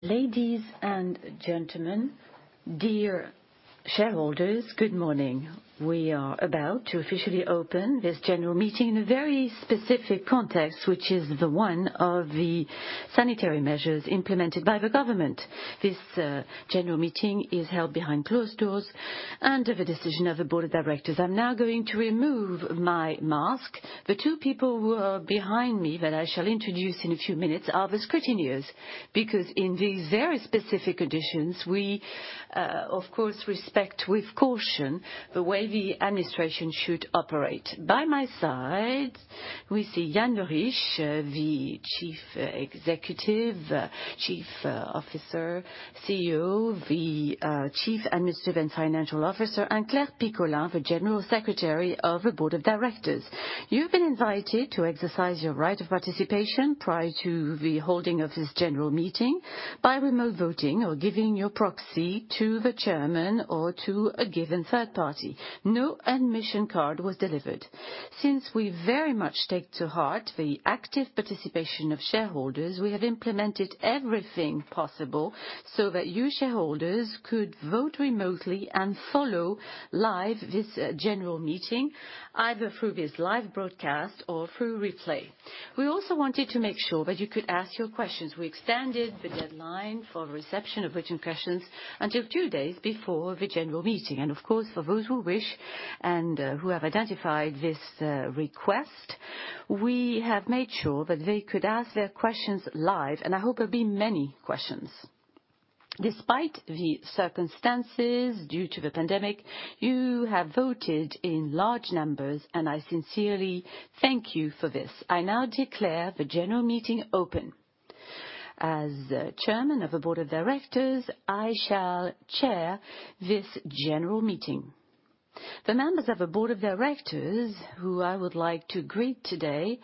Ladies and gentlemen, dear shareholders, good morning. We are about to officially open this general meeting in a very specific context, which is the one of the sanitary measures implemented by the government. This general meeting is held behind closed doors under the decision of the board of directors. I'm now going to remove my mask. The two people who are behind me, that I shall introduce in a few minutes, are the scrutineers. In these very specific conditions, we, of course, respect with caution the way the administration should operate. By my side, we see Yann Leriche, the CEO, the Chief Administrative and Financial Officer, and Claire Piccolin, the General Secretary of the board of directors. You've been invited to exercise your right of participation prior to the holding of this general meeting by remote voting or giving your proxy to the chairman or to a given third party. No admission card was delivered. Since we very much take to heart the active participation of shareholders, we have implemented everything possible so that you shareholders could vote remotely and follow live this general meeting, either through this live broadcast or through replay. We also wanted to make sure that you could ask your questions. We extended the deadline for reception of written questions until two days before the general meeting. Of course, for those who wish and who have identified this request, we have made sure that they could ask their questions live, and I hope there'll be many questions. Despite the circumstances due to the pandemic, you have voted in large numbers, and I sincerely thank you for this. I now declare the general meeting open. As chairman of the board of directors, I shall chair this general meeting. The members of the board of directors, who I would like to greet today,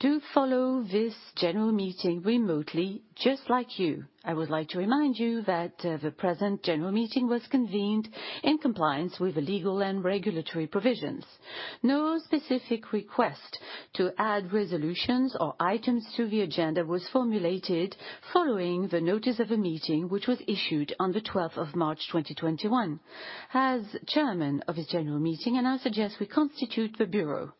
do follow this general meeting remotely, just like you. I would like to remind you that the present general meeting was convened in compliance with the legal and regulatory provisions. No specific request to add resolutions or items to the agenda was formulated following the notice of the meeting, which was issued on the 12th of March 2021. As chairman of this general meeting, I suggest we constitute the bureau.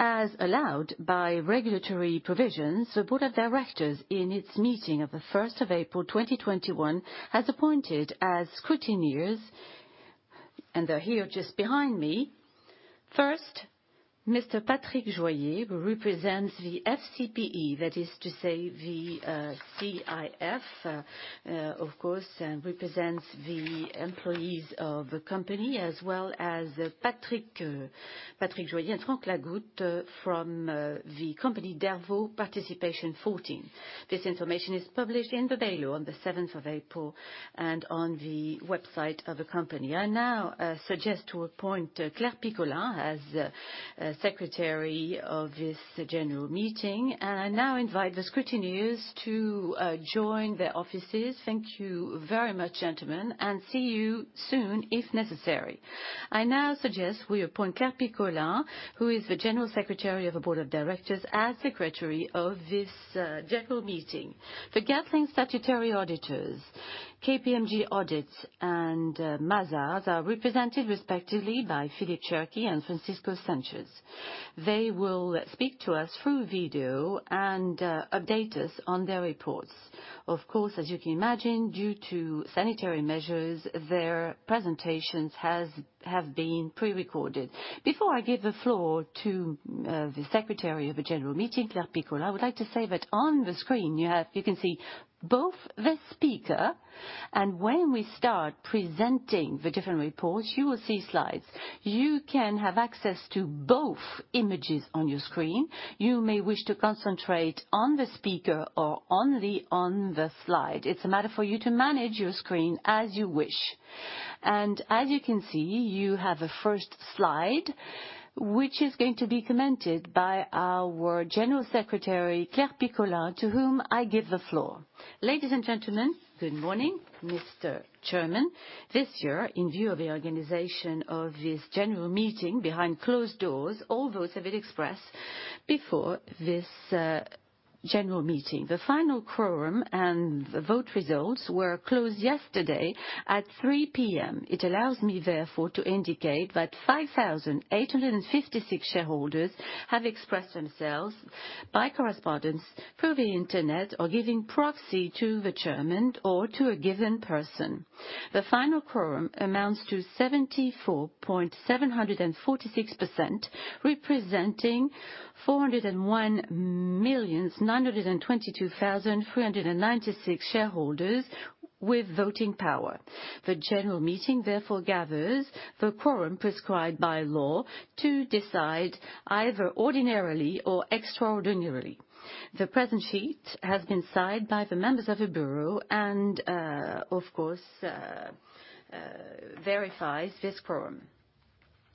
As allowed by regulatory provisions, the board of directors in its meeting of the 1st of April 2021, has appointed as scrutineers, and they're here just behind me. First, Mr. Patrick Joyeux represents the FCPE, that is to say, the CIF, of course, and represents the employees of the company, as well as Patrick Joyeux and Franck Lagoutte from the company, Devault Participation 14. This information is published in the BALO on the 7th of April and on the website of the company. I now suggest to appoint Claire Piccolin as secretary of this general meeting, and I now invite the scrutineers to join their offices. Thank you very much, gentlemen, and see you soon if necessary. I now suggest we appoint Claire Piccolin, who is the general secretary of the board of directors, as secretary of this general meeting. The Getlink statutory auditors, KPMG Audit and Mazars, are represented respectively by Philippe Cherqui and Francisco Sanchez. They will speak to us through video and update us on their reports. Of course, as you can imagine, due to sanitary measures, their presentations have been pre-recorded. Before I give the floor to the secretary of the general meeting, Claire Piccolin, I would like to say that on the screen, you can see both the speaker, and when we start presenting the different reports, you will see slides. You can have access to both images on your screen. You may wish to concentrate on the speaker or only on the slide. It's a matter for you to manage your screen as you wish. As you can see, you have a first slide, which is going to be commented by our general secretary, Claire Piccolin, to whom I give the floor. Ladies and gentlemen, good morning, Mr. Chairman. This year, in view of the organization of this general meeting behind closed doors, all votes have been expressed before this general meeting. The final quorum and the vote results were closed yesterday at 3:00 P.M. It allows me, therefore, to indicate that 5,856 shareholders have expressed themselves by correspondence through the Internet or giving proxy to the chairman or to a given person. The final quorum amounts to 74.746%, representing 401,922,396 shareholders with voting power. The general meeting therefore gathers the quorum prescribed by law to decide either ordinarily or extraordinarily. The present sheet has been signed by the members of the bureau and, of course, verifies this quorum.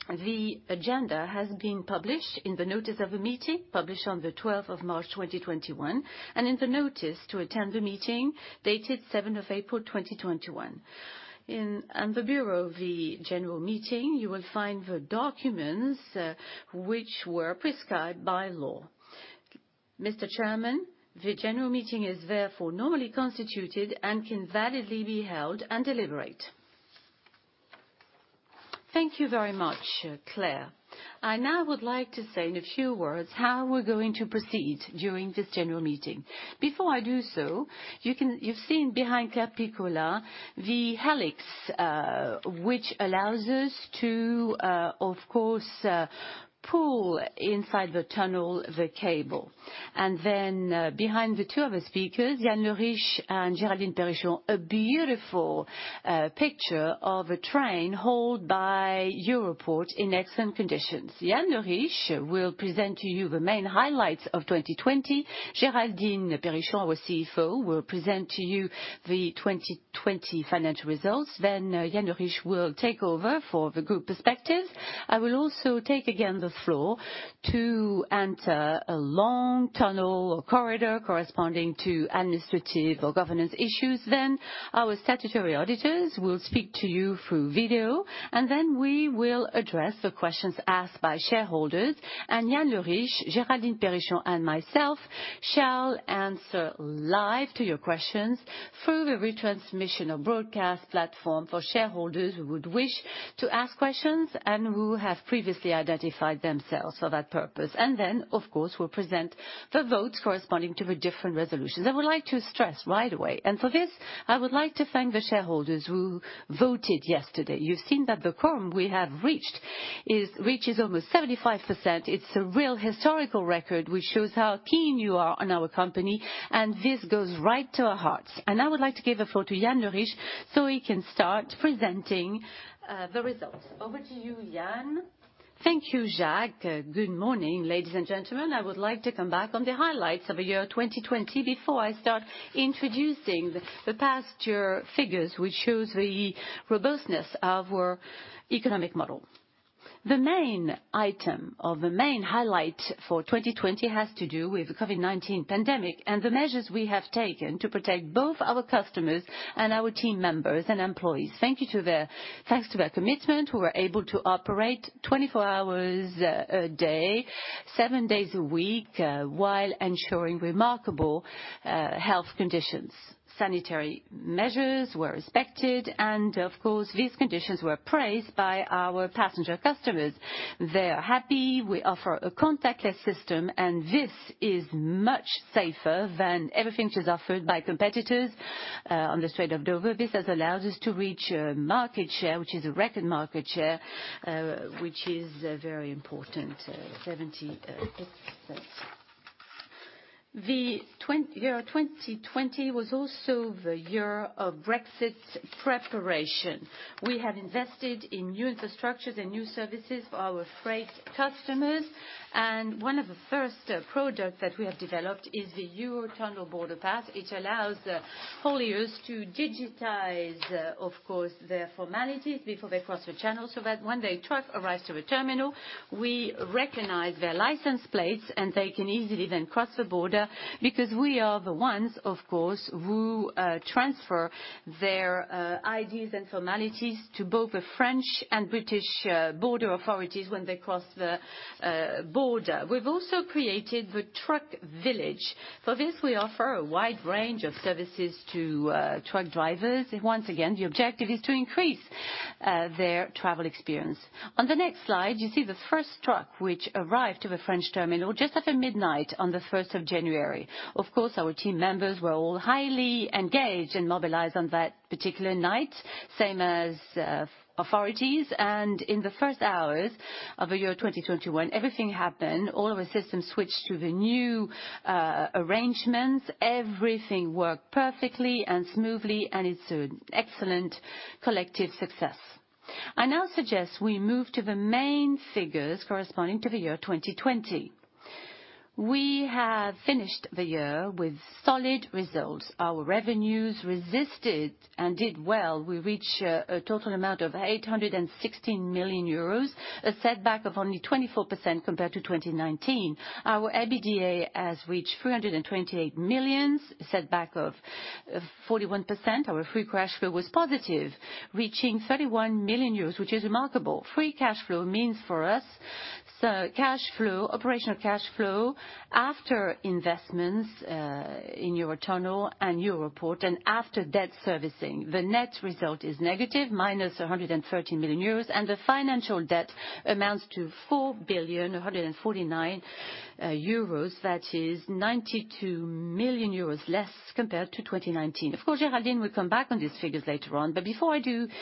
The agenda has been published in the notice of the meeting, published on the 12th of March 2021, and in the notice to attend the meeting, dated 7th of April 2021. In the Bureau, the general meeting, you will find the documents which were prescribed by law. Mr. Chairman, the general meeting is therefore normally constituted and can validly be held and deliberate. Thank you very much, Claire. I now would like to say in a few words how we're going to proceed during this general meeting. Before I do so, you've seen behind Claire Piccolin, the helix which allows us to, of course, pull inside the tunnel, the cable. Then, behind the two other speakers, Yann Leriche and Géraldine Périchon, a beautiful picture of a train hauled by Europorte in excellent conditions. Yann Leriche will present to you the main highlights of 2020. Géraldine Périchon, our CFO, will present to you the 2020 financial results. Yann Leriche will take over for the group perspectives. I will also take again the floor to enter a long tunnel or corridor corresponding to administrative or governance issues. Our statutory auditors will speak to you through video, and then we will address the questions asked by shareholders, and Yann Leriche, Géraldine Périchon, and myself shall answer live to your questions through the retransmission or broadcast platform for shareholders who would wish to ask questions and who have previously identified themselves for that purpose. Of course, we'll present the votes corresponding to the different resolutions. I would like to stress right away, and for this, I would like to thank the shareholders who voted yesterday. You've seen that the quorum we have reached reaches almost 75%. It's a real historical record, which shows how keen you are on our company, this goes right to our hearts. I would like to give the floor to Yann Leriche so he can start presenting the results. Over to you, Yann. Thank you, Jacques. Good morning, ladies and gentlemen. I would like to come back on the highlights of the year 2020 before I start introducing the past year figures, which shows the robustness of our economic model. The main item or the main highlight for 2020 has to do with the COVID-19 pandemic and the measures we have taken to protect both our customers and our team members and employees. Thanks to their commitment, we were able to operate 24 hours a day, seven days a week, while ensuring remarkable health conditions. Sanitary measures were respected, of course, these conditions were praised by our passenger customers. They are happy we offer a contactless system, and this is much safer than everything which is offered by competitors on the Strait of Dover. This has allowed us to reach a market share, which is a record market share, which is very important, 70%+. The year 2020 was also the year of Brexit preparation. We have invested in new infrastructures and new services for our freight customers, and one of the first product that we have developed is the Eurotunnel Border Pass. It allows hauliers to digitize, of course, their formalities before they cross the Channel, so that when their truck arrives to the terminal, we recognize their license plates, and they can easily then cross the border because we are the ones, of course, who transfer their IDs and formalities to both the French and British border authorities when they cross the border. We've also created the Truck Village. For this, we offer a wide range of services to truck drivers. Once again, the objective is to increase their travel experience. On the next slide, you see the first truck, which arrived to the French terminal just after midnight on the 1st of January. Of course, our team members were all highly engaged and mobilized on that particular night, same as authorities. In the first hours of the year 2021, everything happened. All of our systems switched to the new arrangements. Everything worked perfectly and smoothly, it's an excellent collective success. I now suggest we move to the main figures corresponding to the year 2020. We have finished the year with solid results. Our revenues resisted and did well. We reached a total amount of 816 million euros, a setback of only 24% compared to 2019. Our EBITDA has reached 328 million, a setback of 41%. Our free cash flow was positive, reaching 31 million euros, which is remarkable. Free cash flow means for us operational cash flow after investments in Eurotunnel and Europorte and after debt servicing. The net result is negative, minus 113 million euros, and the financial debt amounts to 4.149 billion. That is 92 million euros less compared to 2019. Of course, Géraldine will come back on these figures later on, but before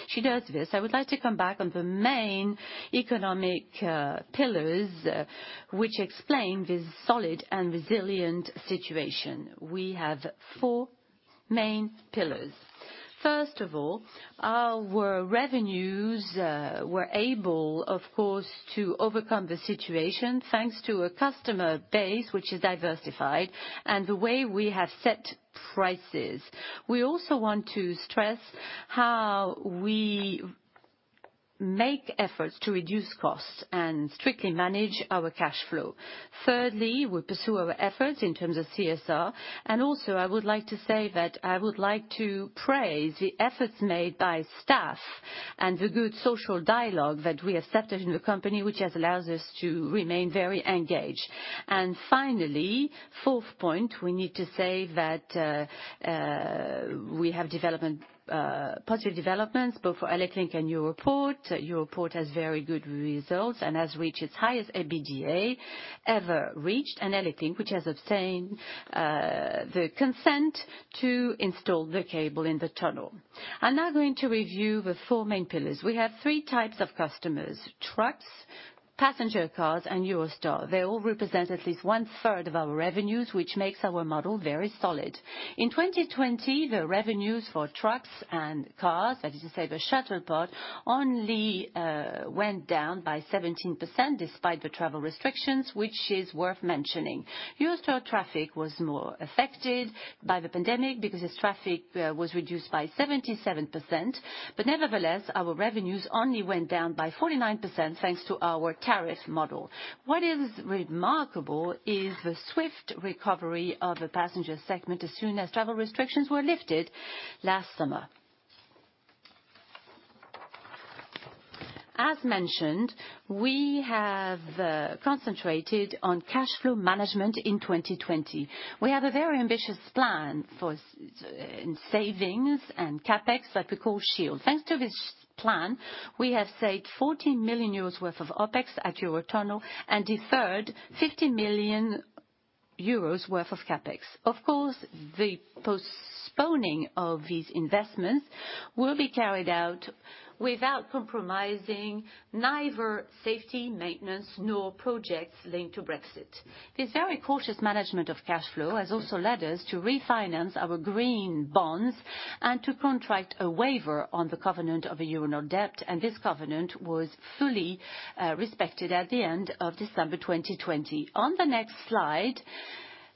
she does this, I would like to come back on the main economic pillars which explain this solid and resilient situation. We have four main pillars. First of all, our revenues were able, of course, to overcome the situation thanks to a customer base which is diversified and the way we have set prices. We also want to stress how we make efforts to reduce costs and strictly manage our cash flow. Thirdly, we pursue our efforts in terms of CSR, and also I would like to say that I would like to praise the efforts made by staff and the good social dialogue that we accepted in the company, which has allowed us to remain very engaged. Finally, fourth point, we need to say that we have positive developments, both for ElecLink and Europorte. Europorte has very good results and has reached its highest EBITDA ever reached, and ElecLink, which has obtained the consent to install the cable in the tunnel. I'm now going to review the four main pillars. We have three types of customers, trucks, passenger cars, and Eurostar. They all represent at least 1/3 of our revenues, which makes our model very solid. In 2020, the revenues for trucks and cars, that is to say the shuttle part, only went down by 17% despite the travel restrictions, which is worth mentioning. Eurostar traffic was more affected by the pandemic because its traffic was reduced by 77%. Nevertheless, our revenues only went down by 49% thanks to our tariff model. What is remarkable is the swift recovery of the passenger segment as soon as travel restrictions were lifted last summer. As mentioned, we have concentrated on cash flow management in 2020. We have a very ambitious plan in savings and CapEx that we call Shield. Thanks to this plan, we have saved 40 million euros worth of OpEx at Eurotunnel and deferred 50 million euros worth of CapEx. Of course, the postponing of these investments will be carried out without compromising neither safety, maintenance, nor projects linked to Brexit. This very cautious management of cash flow has also led us to refinance our green bonds and to contract a waiver on the covenant of a Eurotunnel debt. This covenant was fully respected at the end of December 2020. On the next slide,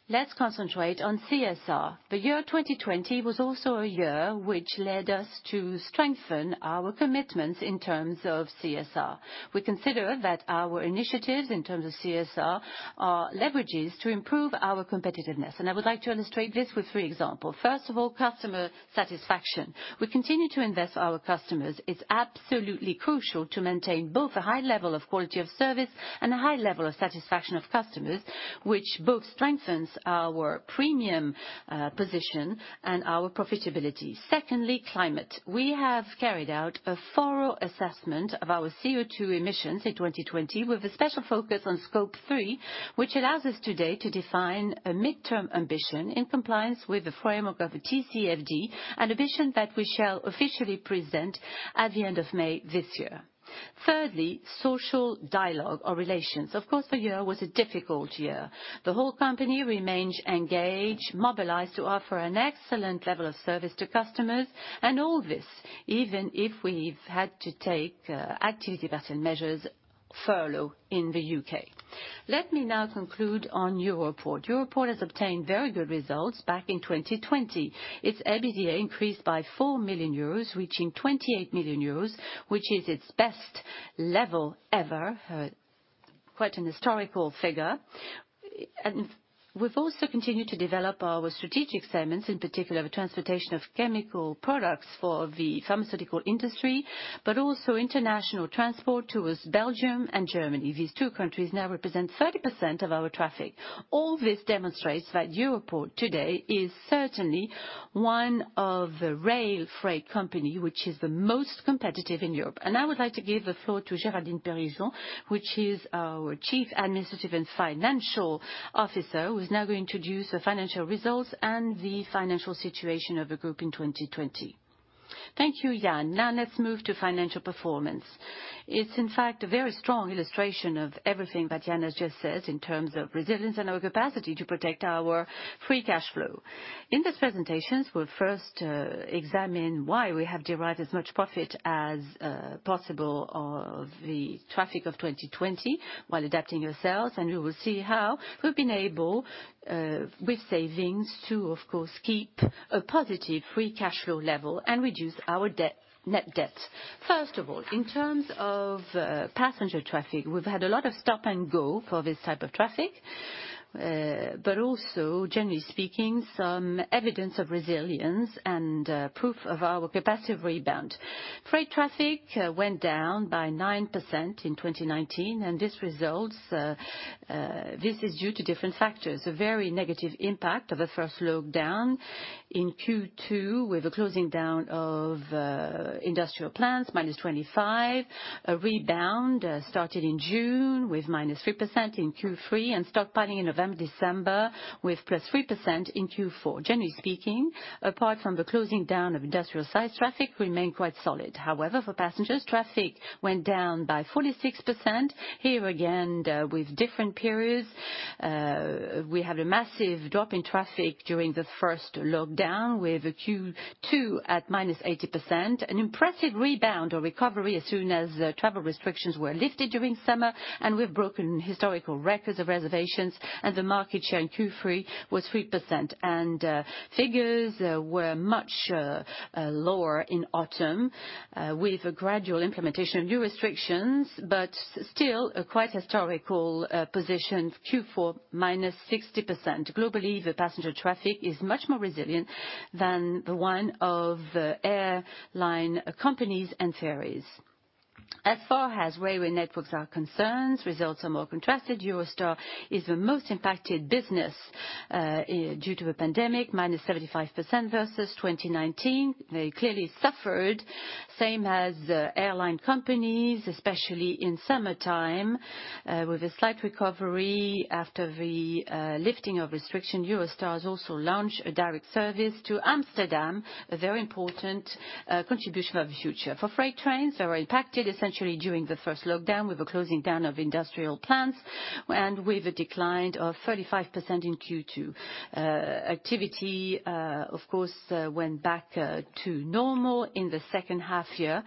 let's concentrate on CSR. The year 2020 was also a year which led us to strengthen our commitments in terms of CSR. We consider that our initiatives in terms of CSR are leverages to improve our competitiveness. I would like to illustrate this with three examples. First of all, customer satisfaction. We continue to invest our customers. It's absolutely crucial to maintain both a high level of quality of service and a high level of satisfaction of customers, which both strengthens our premium position and our profitability. Secondly, climate. We have carried out a thorough assessment of our CO2 emissions in 2020 with a special focus on scope three, which allows us today to define a midterm ambition in compliance with the framework of the TCFD, an ambition that we shall officially present at the end of May this year. Thirdly, social dialogue or relations. Of course, the year was a difficult year. The whole company remains engaged, mobilized to offer an excellent level of service to customers, and all this even if we've had to take activity-based measures, furlough in the U.K. Let me now conclude on Europorte. Europorte has obtained very good results back in 2020. Its EBITDA increased by four million euros, reaching 28 million euros, which is its best level ever. Quite an historical figure. We've also continued to develop our strategic segments, in particular the transportation of chemical products for the pharmaceutical industry, but also international transport towards Belgium and Germany. These two countries now represent 30% of our traffic. All this demonstrates that Europorte today is certainly one of the rail freight company which is the most competitive in Europe. I would like to give the floor to Géraldine Périchon, which is our Chief Administrative and Financial Officer, who's now going to introduce the financial results and the financial situation of the group in 2020. Thank you, Yann. Now let's move to financial performance. It's in fact a very strong illustration of everything that Yann has just said in terms of resilience and our capacity to protect our free cash flow. In this presentation, we will first examine why we have derived as much profit as possible of the traffic of 2020 while adapting ourselves, and we will see how we have been able, with savings, to, of course, keep a positive free cash flow level and reduce our net debt. First of all, in terms of passenger traffic, we have had a lot of stop and go for this type of traffic, but also, generally speaking, some evidence of resilience and proof of our capacity to rebound. Freight traffic went down by 9% in 2019. This is due to different factors. A very negative impact of the first lockdown in Q2 with the closing down of industrial plants, -25%. A rebound started in June with -3% in Q3. Stockpiling in November, December with +3% in Q4. Generally speaking, apart from the closing down of industrial sites, traffic remained quite solid. For passengers, traffic went down by 46%. Here again, with different periods. We have a massive drop in traffic during the first lockdown with Q2 at -80%. We had an impressive rebound or recovery as soon as travel restrictions were lifted during summer, and we've broken historical records of reservations, and the market share in Q3 was 3%. Figures were much lower in autumn with a gradual implementation of new restrictions, but still a quite historical position, Q4 at -60%. Globally, the passenger traffic is much more resilient than the one of airline companies and ferries. As far as railway networks are concerned, results are more contrasted. Eurostar is the most impacted business due to the pandemic, -75% versus 2019. They clearly suffered, same as the airline companies, especially in summertime. With a slight recovery after the lifting of restriction, Eurostar has also launched a direct service to Amsterdam, a very important contribution of the future. Freight trains, they were impacted essentially during the first lockdown with the closing down of industrial plants and with a decline of 35% in Q2. Activity, of course, went back to normal in the second half year.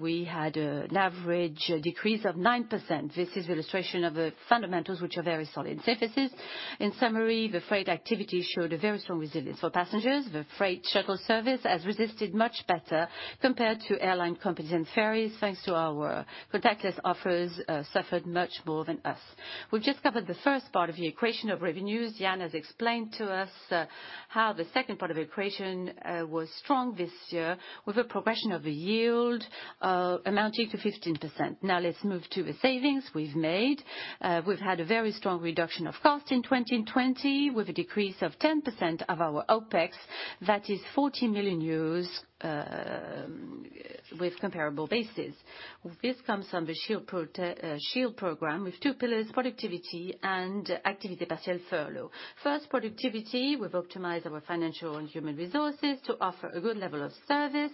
We had an average decrease of 9%. This is illustration of the fundamentals, which are very solid. For this, in summary, the freight activity showed a very strong resilience. Passengers, the freight shuttle service has resisted much better compared to airline companies and ferries, thanks to our contactless offers, suffered much more than us. We've just covered the first part of the equation of revenues. Yann has explained to us how the second part of the equation was strong this year with a progression of the yield amounting to 15%. Now let's move to the savings we've made. We've had a very strong reduction of cost in 2020 with a decrease of 10% of our OpEx, that is 40 million euros with comparable basis. This comes from the Shield program with two pillars, productivity and Activité Partielle furlough. First, productivity. We've optimized our financial and human resources to offer a good level of service.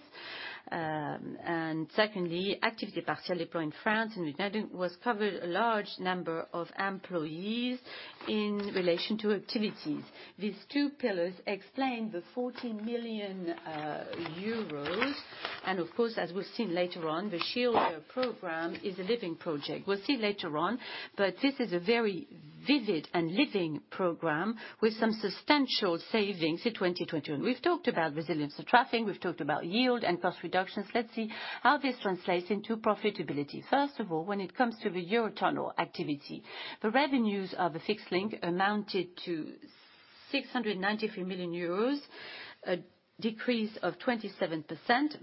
Secondly, Activité Partielle in France and the U.K. covered a large number of employees in relation to activities. These two pillars explain the 40 million euros. Of course, as we've seen later on, the Shield program is a living project. We'll see later on, but this is a very vivid and living program with some substantial savings in 2021. We've talked about resilience of traffic. We've talked about yield and cost reductions. Let's see how this translates into profitability. First of all, when it comes to the Eurotunnel activity, the revenues of the fixed link amounted to 693 million euros, a decrease of 27%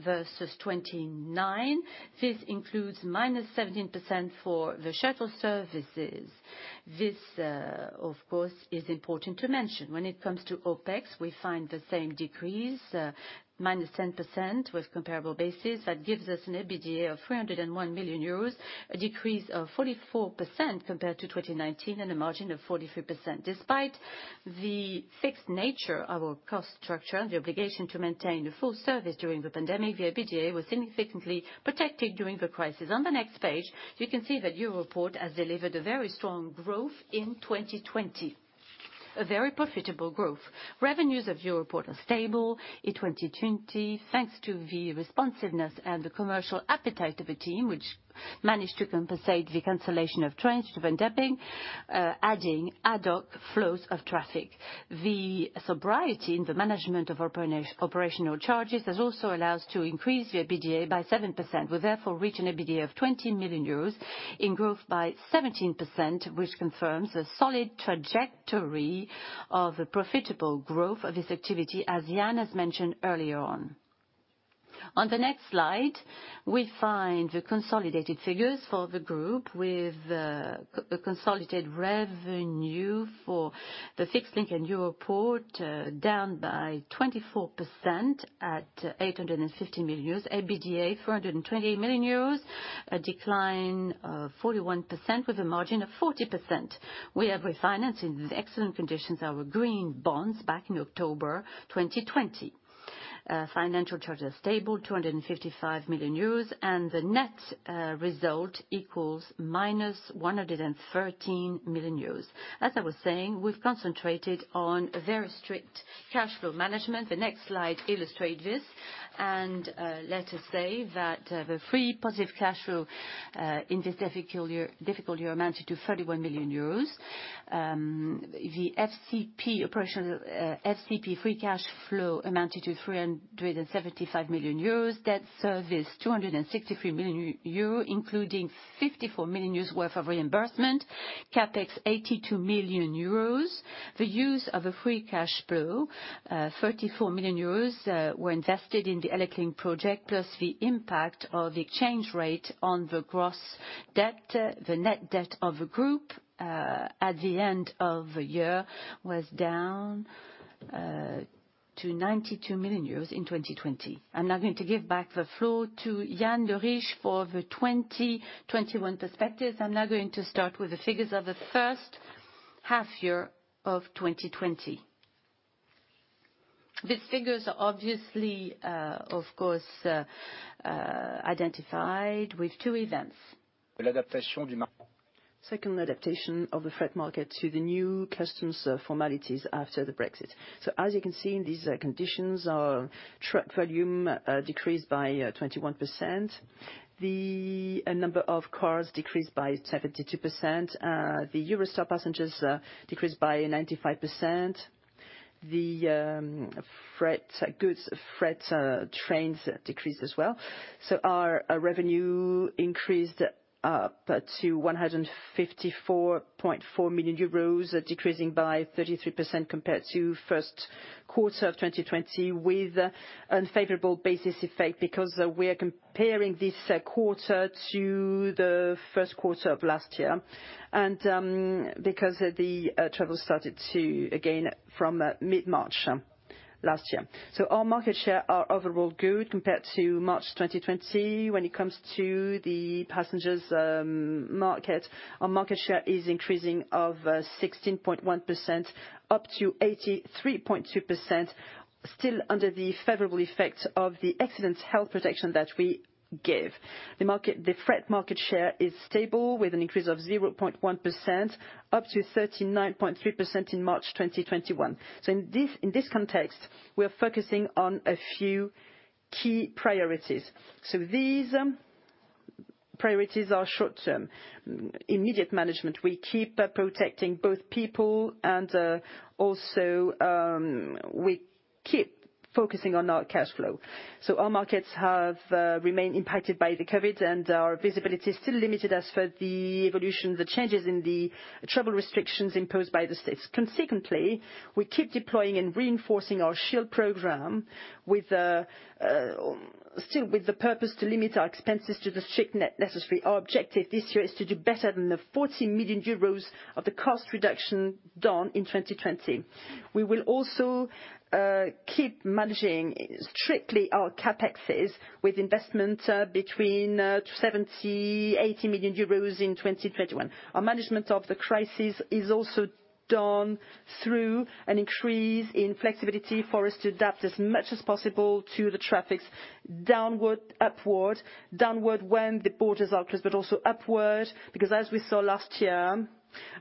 versus 2019. This includes -17% for the shuttle services. This, of course, is important to mention. When it comes to OpEx, we find the same decrease, -10% with comparable basis. That gives us an EBITDA of 301 million euros, a decrease of 44% compared to 2019 and a margin of 43%. Despite the fixed nature of our cost structure and the obligation to maintain the full service during the pandemic, the EBITDA was significantly protected during the crisis. On the next page, you can see that Europorte has delivered a very strong growth in 2020. A very profitable growth. Revenues of Europorte are stable in 2020, thanks to the responsiveness and the commercial appetite of the team, which managed to compensate the cancellation of trains to the adding ad hoc flows of traffic. The sobriety in the management of operational charges has also allowed us to increase the EBITDA by 7%. We therefore reach an EBITDA of 20 million euros in growth by 17%, which confirms the solid trajectory of the profitable growth of this activity, as Yann has mentioned earlier on. On the next slide, we find the consolidated figures for the group with the consolidated revenue for the fixed link in Europorte down by 24% at 850 million euros. EBITDA, 328 million euros, a decline of 41% with a margin of 40%. We have refinanced in excellent conditions our green bonds back in October 2020. Financial charges stable, 255 million euros, the net result equals minus 113 million euros. As I was saying, we've concentrated on a very strict cash flow management. The next slide illustrate this. Let us say that the free positive cash flow in this difficult year amounted to 31 million euros. The FCF free cash flow amounted to 375 million euros, debt service 263 million euros, including 54 million euros worth of reimbursement, CapEx 82 million euros. The use of a free cash flow, 34 million euros were invested in the ElecLink project, plus the impact of the exchange rate on the gross debt. The net debt of the group at the end of the year was down to 92 million euros in 2020. I'm now going to give back the floor to Yann Leriche for the 2021 perspectives. I'm now going to start with the figures of the first half year of 2020. These figures are obviously, of course identified with two events. Second adaptation of the freight market to the new customs formalities after the Brexit. In these conditions, our truck volume decreased by 21%. The number of cars decreased by 72%. The Eurostar passengers decreased by 95%. The freight goods, freight trains decreased as well. Our revenue increased up to 154.4 million euros, decreasing by 33% compared to first quarter of 2020 with unfavorable basis effect because we are comparing this quarter to the first quarter of last year, and because the travel started to again from mid-March last year. Our market share are overall good compared to March 2020. When it comes to the passengers market, our market share is increasing of 16.1% up to 83.2%, still under the favorable effect of the excellent health protection that we give. The freight market share is stable with an increase of 0.1% up to 39.3% in March 2021. In this context, we are focusing on a few key priorities. These priorities are short term, immediate management. We keep protecting both people and also, we keep focusing on our cash flow. Our markets have remained impacted by the COVID and our visibility is still limited as for the evolution, the changes in the travel restrictions imposed by the states. Consequently, we keep deploying and reinforcing our Shield program still with the purpose to limit our expenses to the strict necessary. Our objective this year is to do better than the 40 million euros of the cost reduction done in 2020. We will also keep managing strictly our CapEx with investment between 70 million-80 million euros in 2021. Our management of the crisis is also done through an increase in flexibility for us to adapt as much as possible to the traffics downward, upward. Downward when the borders are closed, but also upward because as we saw last year,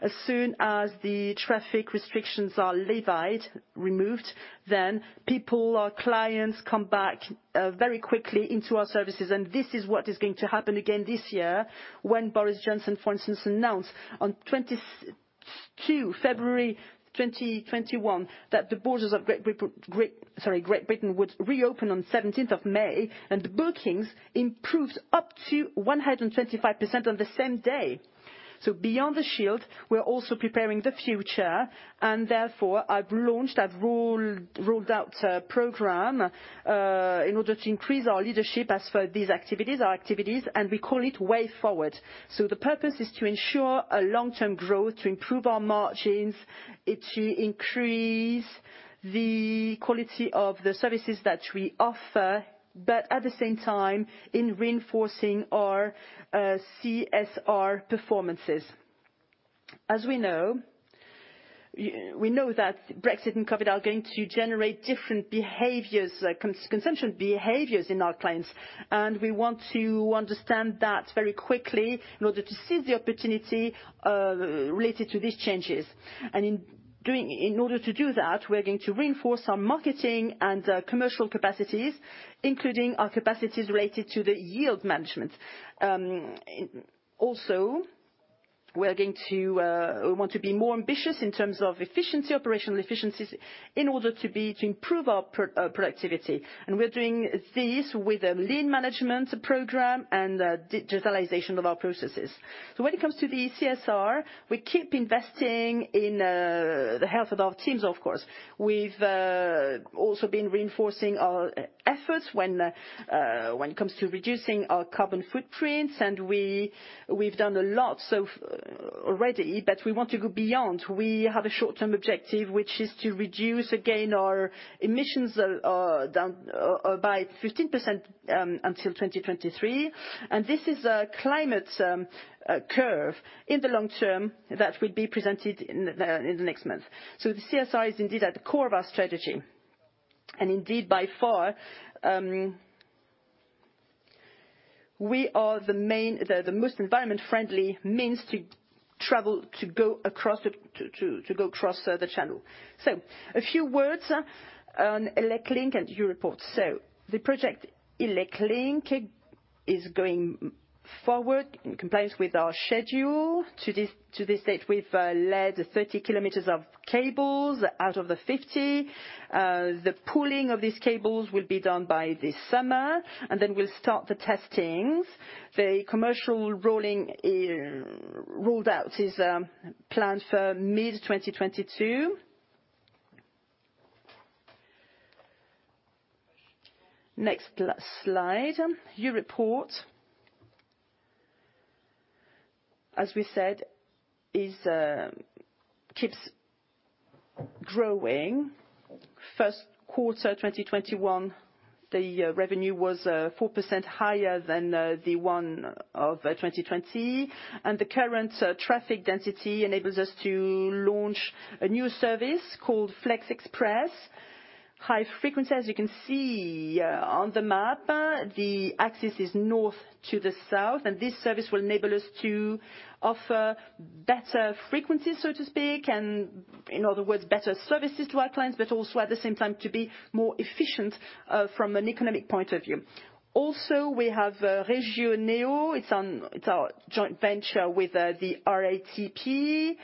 as soon as the traffic restrictions are levied, removed, then people, our clients, come back very quickly into our services. This is what is going to happen again this year when Boris Johnson, for instance, announced on 22 February 2021 that the borders of Great Britain would reopen on 17th of May, and the bookings improved up to 125% on the same day. Beyond the Shield, we're also preparing the future, and therefore, I've rolled out a program, in order to increase our leadership as for these activities, our activities, and we call it Way Forward. The purpose is to ensure a long-term growth, to improve our margins, to increase the quality of the services that we offer, but at the same time, in reinforcing our CSR performances. As we know that Brexit and COVID are going to generate different behaviors, like consumption behaviors in our clients, and we want to understand that very quickly in order to seize the opportunity, related to these changes. In order to do that, we're going to reinforce our marketing and commercial capacities, including our capacities related to the yield management. Also, we want to be more ambitious in terms of efficiency, operational efficiencies in order to improve our productivity. We're doing this with a lean management program and digitalization of our processes. When it comes to the CSR, we keep investing in the health of our teams, of course. We've also been reinforcing our efforts when it comes to reducing our carbon footprints, and we've done a lot already, but we want to go beyond. We have a short-term objective, which is to reduce, again, our emissions down by 15% until 2023. This is a climate curve in the long term that will be presented in the next month. The CSR is indeed at the core of our strategy. Indeed, by far, we are the most environment friendly means to travel, to go across the channel. A few words on ElecLink and Europorte. The project ElecLink is going forward in compliance with our schedule. To this date, we've laid 30 km of cables out of the 50km. The pooling of these cables will be done by this summer, and then we'll start the testings. The commercial rolling rolled out is planned for mid-2022. Next slide. Europorte, as we said, keeps growing first quarter 2021. The revenue was 4% higher than the one of 2020. The current traffic density enables us to launch a new service called FLEX EXPRESS. High frequency, as you can see on the map, the axis is north to the south. This service will enable us to offer better frequencies, so to speak, and in other words, better services to our clients, also at the same time to be more efficient from an economic point of view. We have Régionéo. It's our joint venture with the RATP.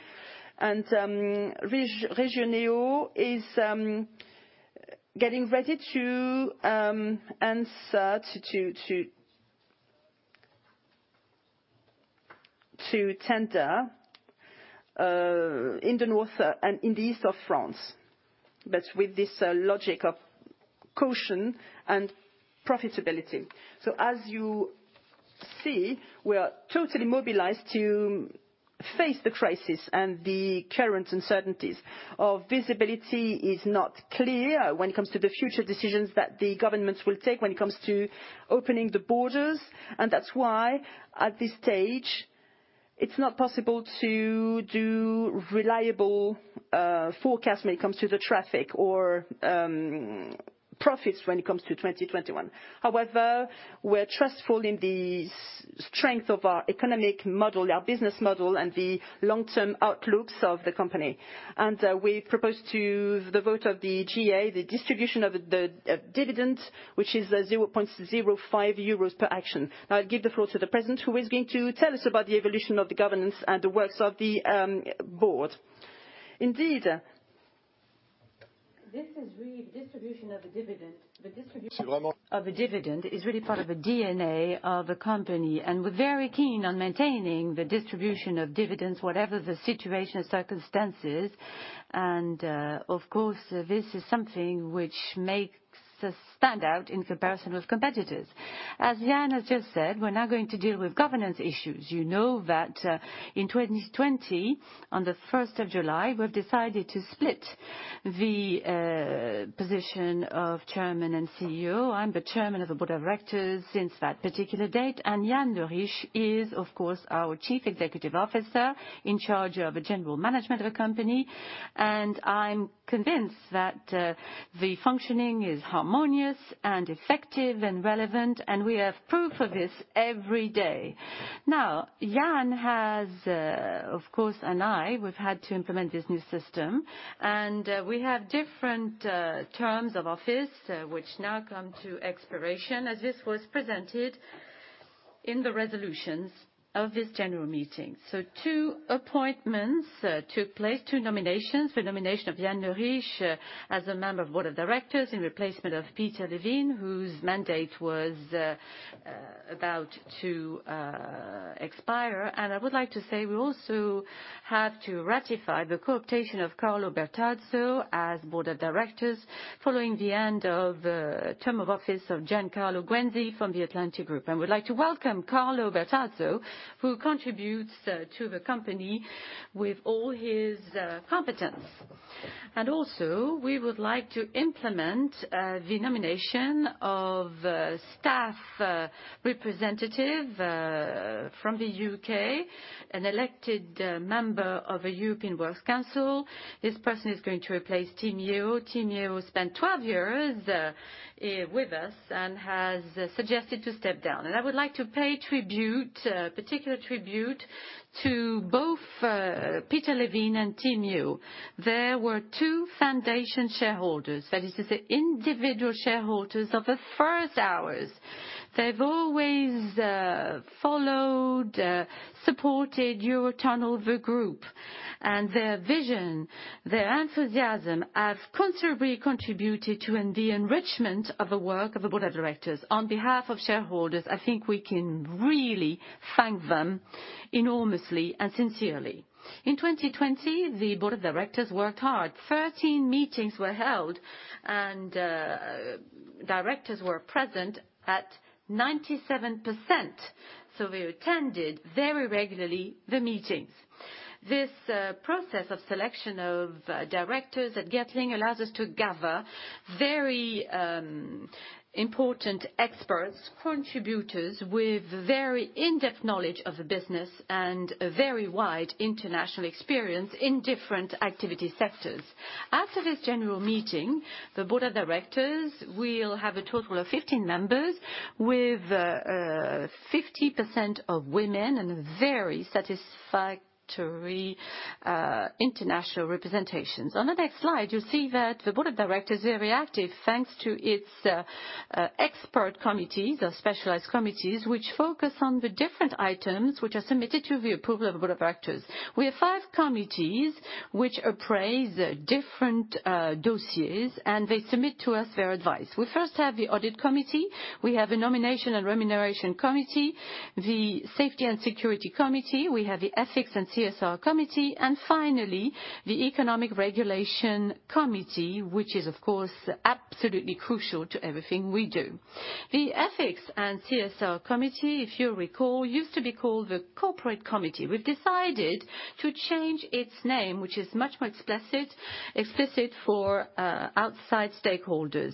Régionéo is getting ready to answer, to tender in the north and in the east of France with this logic of caution and profitability. As you see, we are totally mobilized to face the crisis and the current uncertainties. Our visibility is not clear when it comes to the future decisions that the governments will take when it comes to opening the borders. That's why at this stage it's not possible to do reliable forecasts when it comes to the traffic or profits when it comes to 2021. However, we're trustful in the strength of our economic model, our business model, and the long-term outlooks of the company. We propose to the vote of the GA the distribution of the dividend, which is 0.05 euros per share. Now I'll give the floor to the president who is going to tell us about the evolution of the governance and the works of the board. Indeed. The distribution of the dividend is really part of the DNA of the company, and we're very keen on maintaining the distribution of dividends whatever the situation or circumstances, and of course, this is something which makes us stand out in comparison with competitors. As Yann has just said, we're now going to deal with governance issues. You know that in 2020, on the 1st of July, we've decided to split the position of Chairman and Chief Executive Officer. I'm the Chairman of the Board of Directors since that particular date, and Yann Leriche is, of course, our Chief Executive Officer in charge of the general management of the company. I'm convinced that the functioning is harmonious and effective and relevant, and we have proof of this every day. Yann has, of course, and I, we've had to implement this new system, and we have different terms of office, which now come to expiration as this was presented in the resolutions of this general meeting. Two appointments took place, two nominations. The nomination of Yann Leriche as a member of Board of Directors in replacement of Peter Levene, whose mandate was about to expire. I would like to say we also have to ratify the co-optation of Carlo Bertazzo as Board of Directors following the end of term of office of Giancarlo Guenzi from the Atlantia Group. We'd like to welcome Carlo Bertazzo, who contributes to the company with all his competence. Also, we would like to implement the nomination of staff representative from the U.K., an elected member of a European Works Council. This person is going to replace Tim Yeo. Tim Yeo spent 12 years with us and has suggested to step down. I would like to pay tribute, particular tribute, to both Peter Levene and Tim Yeo. They were two foundation shareholders. That is, the individual shareholders of the first hours. They've always followed, supported Eurotunnel, the group, and their vision, their enthusiasm, have considerably contributed to the enrichment of the work of the board of directors. On behalf of shareholders, I think we can really thank them enormously and sincerely. In 2020, the board of directors worked hard. 13 meetings were held and directors were present at 97%, so they attended very regularly the meetings. This process of selection of directors at Getlink allows us to gather very important experts, contributors with very in-depth knowledge of the business and a very wide international experience in different activity sectors. After this general meeting, the board of directors will have a total of 15 members with 50% of women and very satisfactory international representations. On the next slide, you'll see that the board of directors is very active thanks to its expert committees or specialized committees, which focus on the different items which are submitted to the approval of the board of directors. We have five committees which appraise different dossiers, and they submit to us their advice. We first have the audit committee, we have a nomination and remuneration committee, the safety and security committee, we have the ethics and CSR committee, and finally, the economic regulation committee, which is of course absolutely crucial to everything we do. The Ethics and CSR Committee, if you recall, used to be called the Corporate Committee. We've decided to change its name, which is much more explicit for outside stakeholders.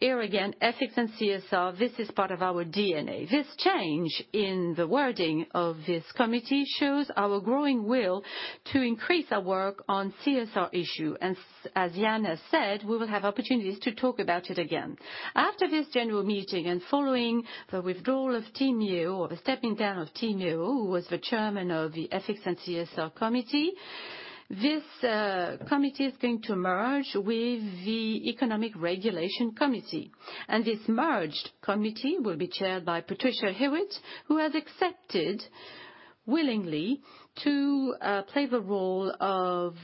Here again, ethics and CSR, this is part of our DNA. This change in the wording of this committee shows our growing will to increase our work on CSR issue. As Yann has said, we will have opportunities to talk about it again. After this general meeting. Following the withdrawal of Timio, or the stepping down of Timio, who was the chairman of the Ethics and CSR Committee, this committee is going to merge with the Economic Regulation Committee. This merged committee will be chaired by Patricia Hewitt, who has accepted, willingly, to play the role of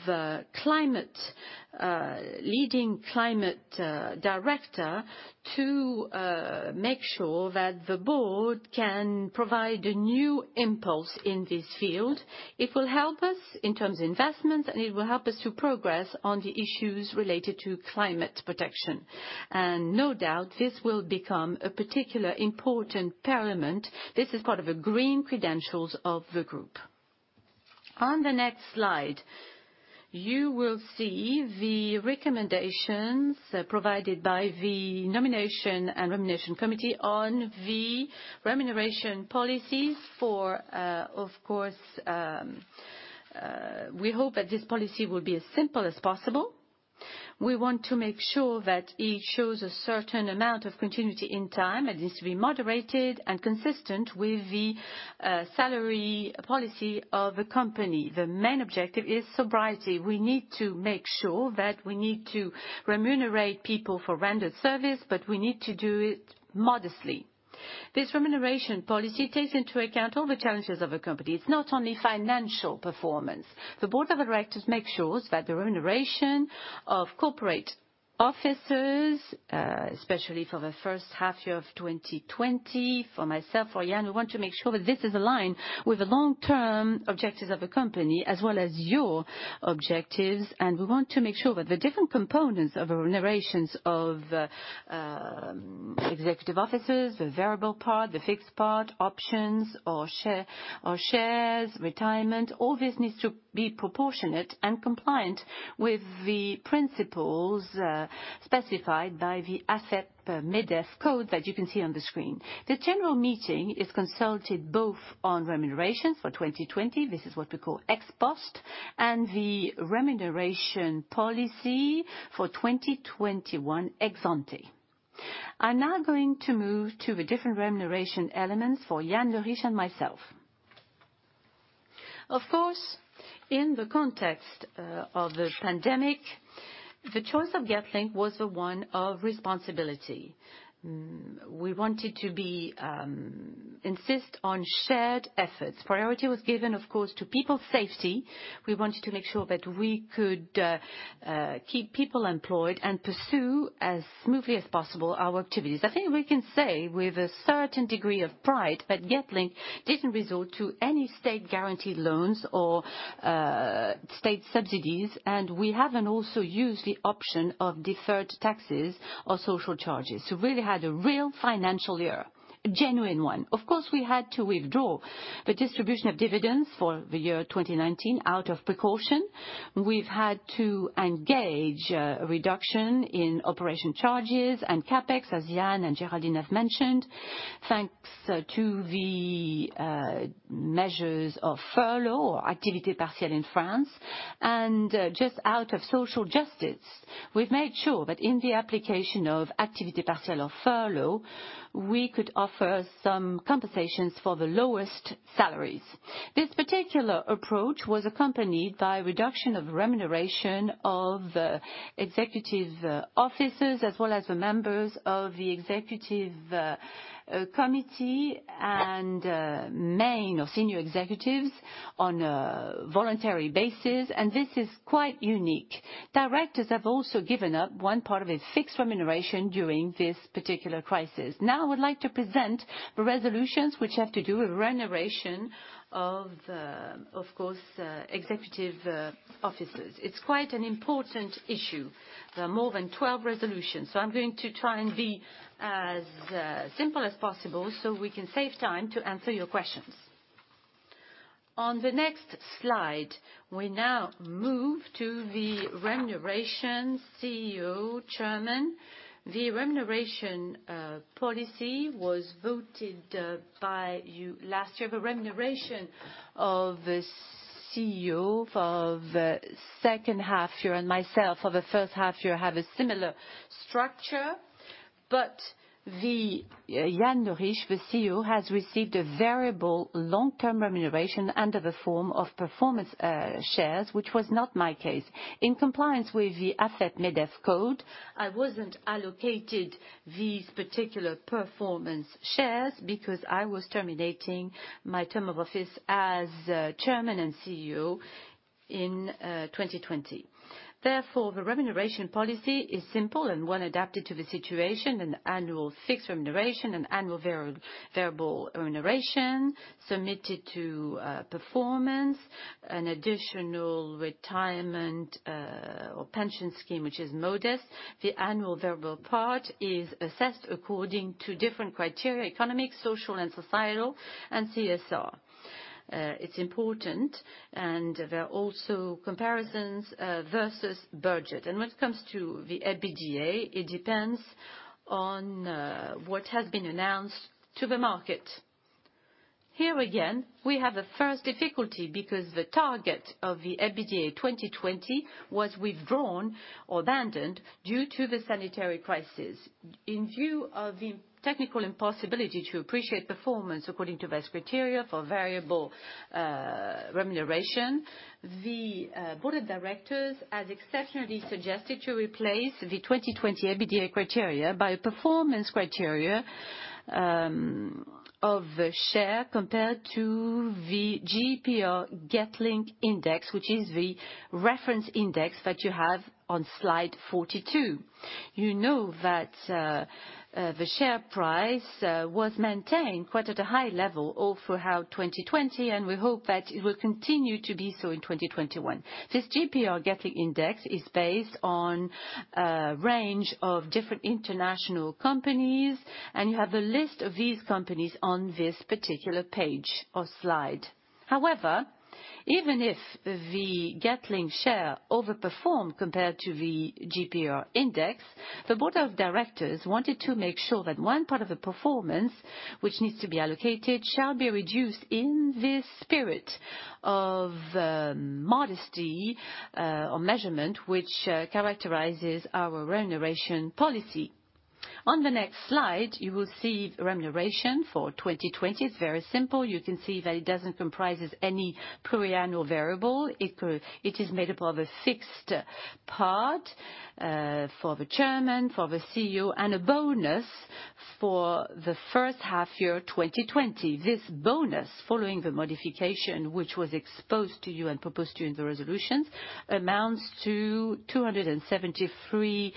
leading climate director to make sure that the board can provide a new impulse in this field. It will help us in terms of investments. It will help us to progress on the issues related to climate protection. No doubt this will become a particular important pillar. This is part of the green credentials of the group. On the next slide, you will see the recommendations provided by the Nomination and Remuneration Committee on the remuneration policies. Of course, we hope that this policy will be as simple as possible. We want to make sure that it shows a certain amount of continuity in time, it needs to be moderated and consistent with the salary policy of the company. The main objective is sobriety. We need to make sure that we need to remunerate people for rendered service, but we need to do it modestly. This remuneration policy takes into account all the challenges of a company. It's not only financial performance. The board of directors makes sure that the remuneration of corporate officers, especially for the first half year of 2020, for myself, for Yann Leriche, we want to make sure that this is aligned with the long-term objectives of the company as well as your objectives, and we want to make sure that the different components of remunerations of executive officers, the variable part, the fixed part, options or shares, retirement, all this needs to be proportionate and compliant with the principles specified by the AFEP-MEDEF code that you can see on the screen. The general meeting is consulted both on remunerations for 2020, this is what we call ex post, and the remuneration policy for 2021, ex ante. I'm now going to move to the different remuneration elements for Yann Leriche and myself. Of course, in the context of the pandemic, the choice of Getlink was the one of responsibility. We wanted to insist on shared efforts. Priority was given, of course, to people safety. We wanted to make sure that we could keep people employed and pursue, as smoothly as possible, our activities. I think we can say with a certain degree of pride that Getlink didn't resort to any state-guaranteed loans or state subsidies, and we haven't also used the option of deferred taxes or social charges. We really had a real financial year, a genuine one. Of course, we had to withdraw the distribution of dividends for the year 2019 out of precaution. We've had to engage a reduction in operation charges and CapEx, as Yann and Géraldine have mentioned. Thanks to the measures of furlough or Activité Partielle in France, and just out of social justice, we've made sure that in the application of Activité Partielle or furlough, we could offer some compensations for the lowest salaries. This particular approach was accompanied by a reduction of remuneration of executive officers, as well as the members of the executive committee and main or senior executives on a voluntary basis, and this is quite unique. Directors have also given up one part of his fixed remuneration during this particular crisis. Now I would like to present the resolutions which have to do with remuneration of course, executive officers. It's quite an important issue. There are more than 12 resolutions. I'm going to try and be as simple as possible so we can save time to answer your questions. On the next slide, we now move to the remuneration, CEO, chairman. The remuneration policy was voted by you last year. The remuneration of the CEO for the second half year, and myself for the first half year, have a similar structure. Yann Leriche, the CEO, has received a variable long-term remuneration under the form of performance shares, which was not my case. In compliance with the AFEP-MEDEF code, I wasn't allocated these particular performance shares because I was terminating my term of office as chairman and CEO in 2020. Therefore, the remuneration policy is simple and one adapted to the situation, an annual fixed remuneration, an annual variable remuneration submitted to performance, an additional retirement or pension scheme, which is modest. The annual variable part is assessed according to different criteria: economic, social, and societal, and CSR. It's important, and there are also comparisons versus budget. When it comes to the EBITDA, it depends on what has been announced to the market. Here again, we have a first difficulty because the target of the EBITDA 2020 was withdrawn or abandoned due to the sanitary crisis. In view of the technical impossibility to appreciate performance according to this criteria for variable remuneration, the board of directors has exceptionally suggested to replace the 2020 EBITDA criteria by performance criteria of share compared to the GPR Getlink index, which is the reference index that you have on slide 42. You know that the share price was maintained quite at a high level all throughout 2020, and we hope that it will continue to be so in 2021. This GPR Getlink index is based on a range of different international companies, and you have the list of these companies on this particular page or slide. However, even if the Getlink share overperformed compared to the GPR index, the board of directors wanted to make sure that one part of the performance, which needs to be allocated, shall be reduced in the spirit of modesty or measurement, which characterizes our remuneration policy. On the next slide, you will see remuneration for 2020. It's very simple. You can see that it doesn't comprise any pre-annual variable. It is made up of a fixed part for the chairman, for the CEO, and a bonus for the first half year 2020. This bonus, following the modification which was exposed to you and proposed to you in the resolutions, amounts to 273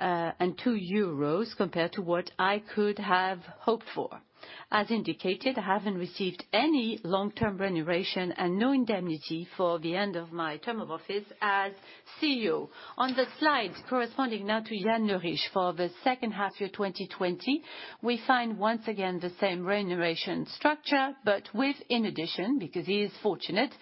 and 2 euros compared to what I could have hoped for. As indicated, I haven't received any long-term remuneration and no indemnity for the end of my term of office as CEO. On the slide corresponding now to Yann Leriche for the second half year 2020, we find once again the same remuneration structure, but with in addition, because he is fortunate,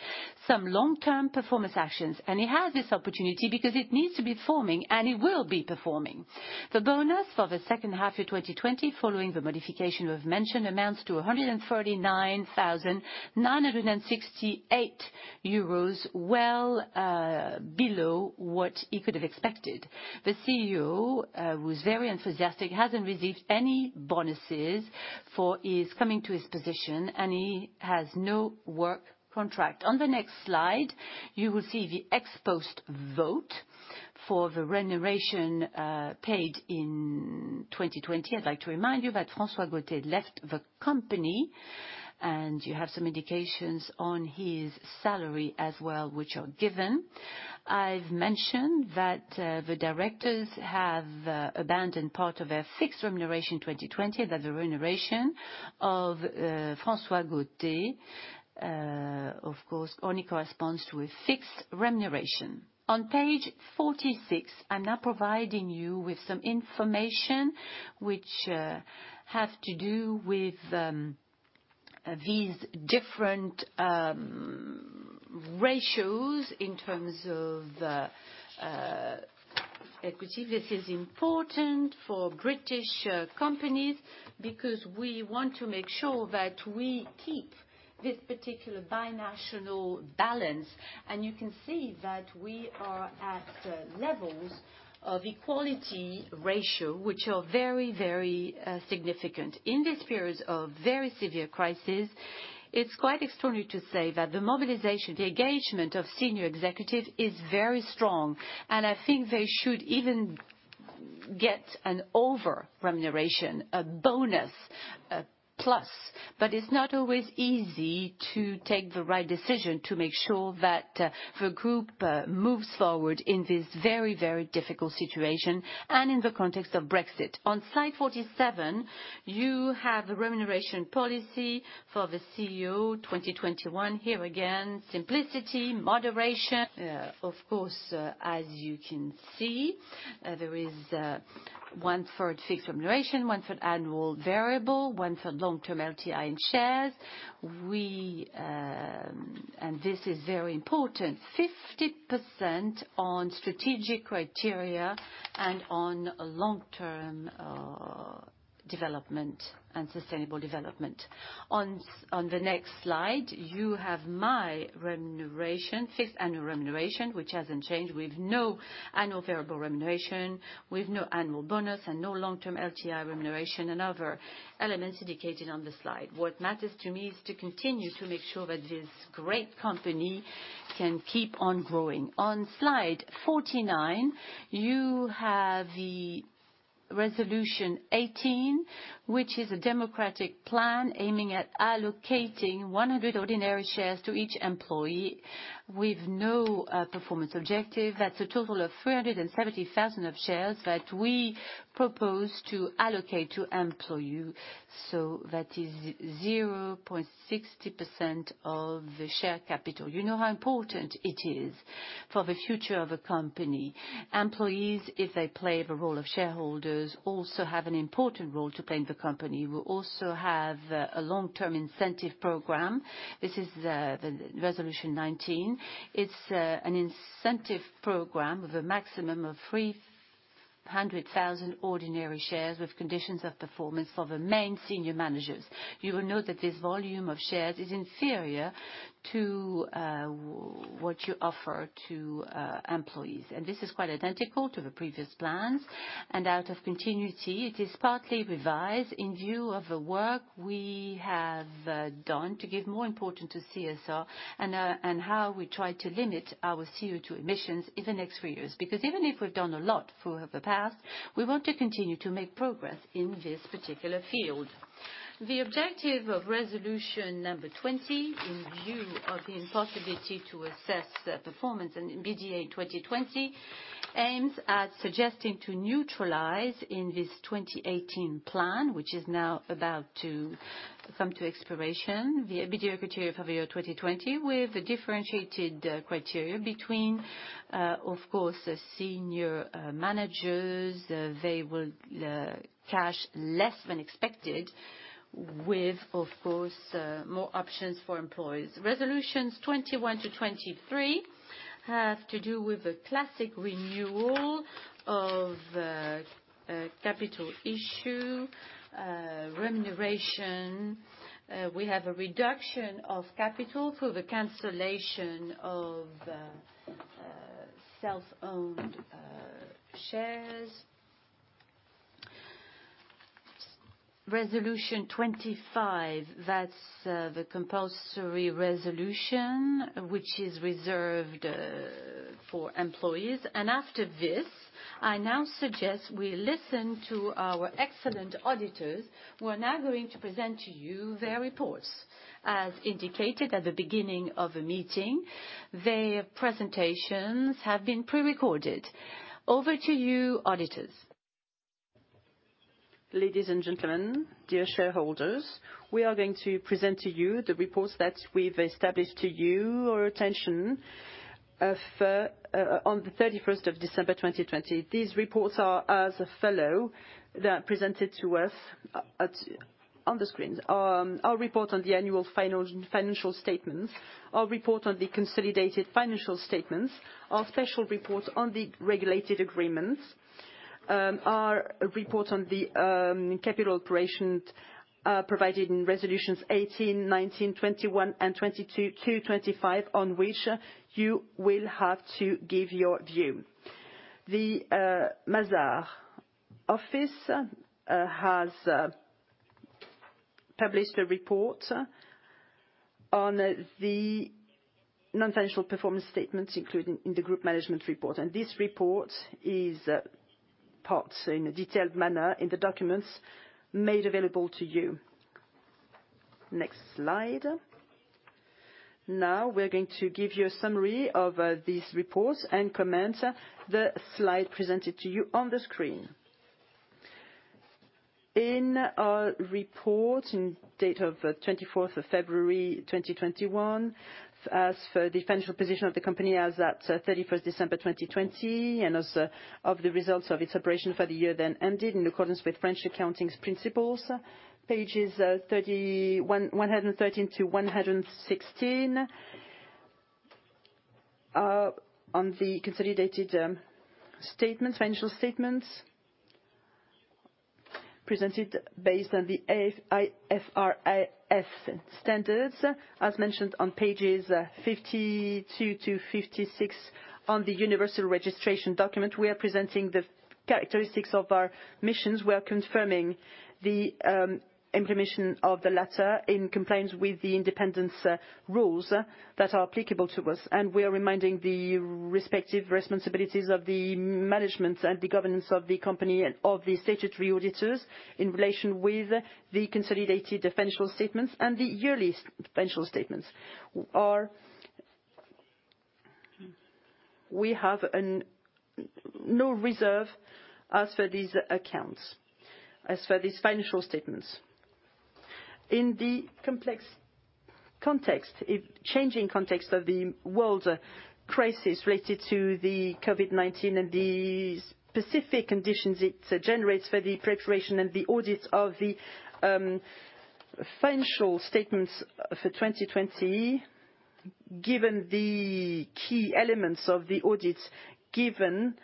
some long-term performance actions. He has this opportunity because it needs to be performing, and it will be performing. The bonus for the second half year 2020 following the modification we've mentioned, amounts to 139,968 euros, well below what he could have expected. The CEO, who's very enthusiastic, hasn't received any bonuses for his coming to his position, and he has no work contract. On the next slide, you will see the ex-post vote for the remuneration paid in 2020. I'd like to remind you that François Gauthey left the company, and you have some indications on his salary as well, which are given. I've mentioned that the directors have abandoned part of their fixed remuneration 2020, that the remuneration of François Gauthey, of course, only corresponds with fixed remuneration. On page 46, I'm now providing you with some information which have to do with these different ratios in terms of equity. This is important for British companies because we want to make sure that we keep this particular binational balance. You can see that we are at levels of equality ratio, which are very significant. In this period of very severe crisis, it's quite extraordinary to say that the mobilization, the engagement of senior executive is very strong, and I think they should even get an over remuneration, a bonus, a plus. It's not always easy to take the right decision to make sure that the group moves forward in this very difficult situation, and in the context of Brexit. On slide 47, you have the remuneration policy for the CEO 2021. Here again, simplicity, moderation. Of course, as you can see, there is 1/3 fixed remuneration, 1/3 annual variable, 1/3 long-term LTI in shares. We, and this is very important, 50% on strategic criteria and on long-term development and sustainable development. On the next slide, you have my remuneration, fixed annual remuneration, which hasn't changed with no annual variable remuneration, with no annual bonus and no long-term LTI remuneration and other elements indicated on the slide. What matters to me is to continue to make sure that this great company can keep on growing. On slide 49, you have the resolution 18, which is a democratic plan aiming at allocating 100 ordinary shares to each employee with no performance objective. That's a total of 370,000 of shares that we propose to allocate to employees. That is 0.60% of the share capital. You know how important it is for the future of a company. Employees, if they play the role of shareholders, also have an important role to play in the company. We also have a long-term incentive program. This is the resolution 19. It's an incentive program with a maximum of 300,000 ordinary shares with conditions of performance for the main senior managers. You will note that this volume of shares is inferior to what you offer to employees, and this is quite identical to the previous plans, and out of continuity, it is partly revised in view of the work we have done to give more importance to CSR and how we try to limit our CO2 emissions in the next few years. Even if we've done a lot throughout the past, we want to continue to make progress in this particular field. The objective of resolution number 20, in view of the impossibility to assess the performance in EBITDA 2020, aims at suggesting to neutralize in this 2018 plan, which is now about to come to expiration, the EBITDA criteria for the year 2020 with the differentiated criteria between, of course, senior managers. They will cash less than expected with, of course, more options for employees. Resolutions 21-23 have to do with the classic renewal of capital issue, remuneration. We have a reduction of capital through the cancellation of self-owned shares. Resolution 25, that's the compulsory resolution, which is reserved for employees. After this, I now suggest we listen to our excellent auditors, who are now going to present to you their reports. As indicated at the beginning of the meeting, their presentations have been pre-recorded. Over to you, Auditors. Ladies and gentlemen, dear shareholders, we are going to present to you the reports that we've established to you, your attention, on the 31st of December 2020. These reports are as follow, they are presented to us on the screen. Our report on the annual financial statements, our report on the consolidated financial statements, our special report on the regulated agreements, our report on the capital operations provided in resolutions 18, 19, 21, and 22 to 25, on which you will have to give your view. The Mazars office has published a report on the non-financial performance statements included in the group management report. This report is part, in a detailed manner, in the documents made available to you. Next slide. Now we're going to give you a summary of these reports and comment the slide presented to you on the screen. In our report in date of the 24th of February 2021, as for the financial position of the company as at 31st December 2020, and as of the results of its operation for the year then ended, in accordance with French accounting principles, pages 113 to 116 are on the consolidated financial statements presented based on the IFRS standards. As mentioned on pages 52 to 56 on the universal registration document, we are presenting the characteristics of our missions. We are confirming the implementation of the latter in compliance with the independence rules that are applicable to us. We are reminding the respective responsibilities of the management and the governance of the company and of the statutory auditors in relation with the consolidated financial statements and the yearly financial statements. We have no reservation as for these financial statements. In the changing context of the world crisis related to the COVID-19 and the specific conditions it generates for the preparation and the audit of the financial statements for 2020, given the key elements of the audit, given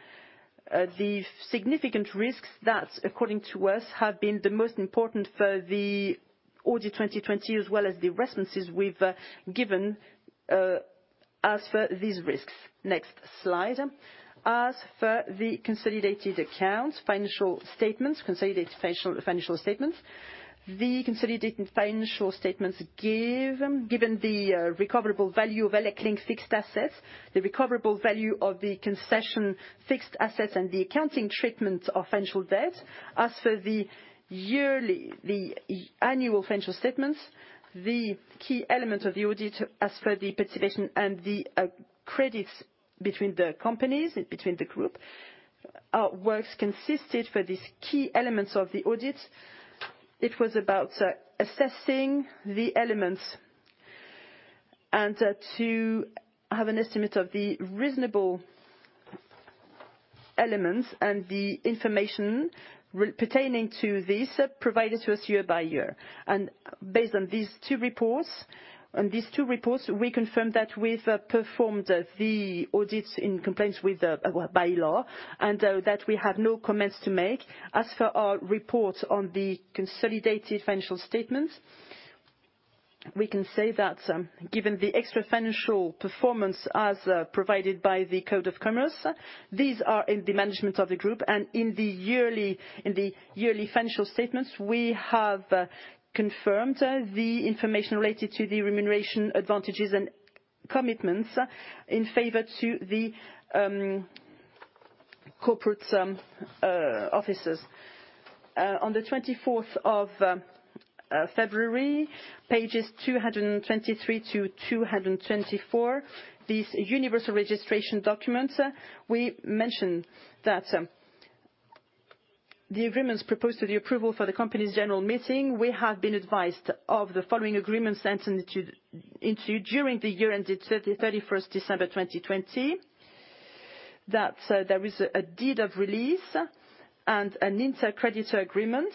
the significant risks that, according to us, have been the most important for the audit 2020 as well as the references we've given as for these risks. Next slide. As for the consolidated financial statements. The consolidated financial statements, given the recoverable value of Getlink fixed assets, the recoverable value of the concession fixed assets and the accounting treatment of financial debt. As for the annual financial statements, the key element of the audit as for the participation and the credits between the companies, between the group. Our works consisted for these key elements of the audit. It was about assessing the elements and to have an estimate of the reasonable elements and the information pertaining to this provided to us year by year. Based on these two reports, we confirm that we've performed the audits in compliance with by law, and that we have no comments to make. As for our report on the consolidated financial statements, we can say that, given the extra financial performance as provided by the French Commercial Code, these are in the management of the group and in the yearly financial statements, we have confirmed the information related to the remuneration advantages and commitments in favor to the corporate officers. On the 24th of February, pages 223 to 224, these universal registration documents, we mentioned that the agreements proposed to the approval for the company's general meeting, we have been advised of the following agreements entered into during the year ended 31st December 2020, that there is a deed of release and an inter-creditor agreement,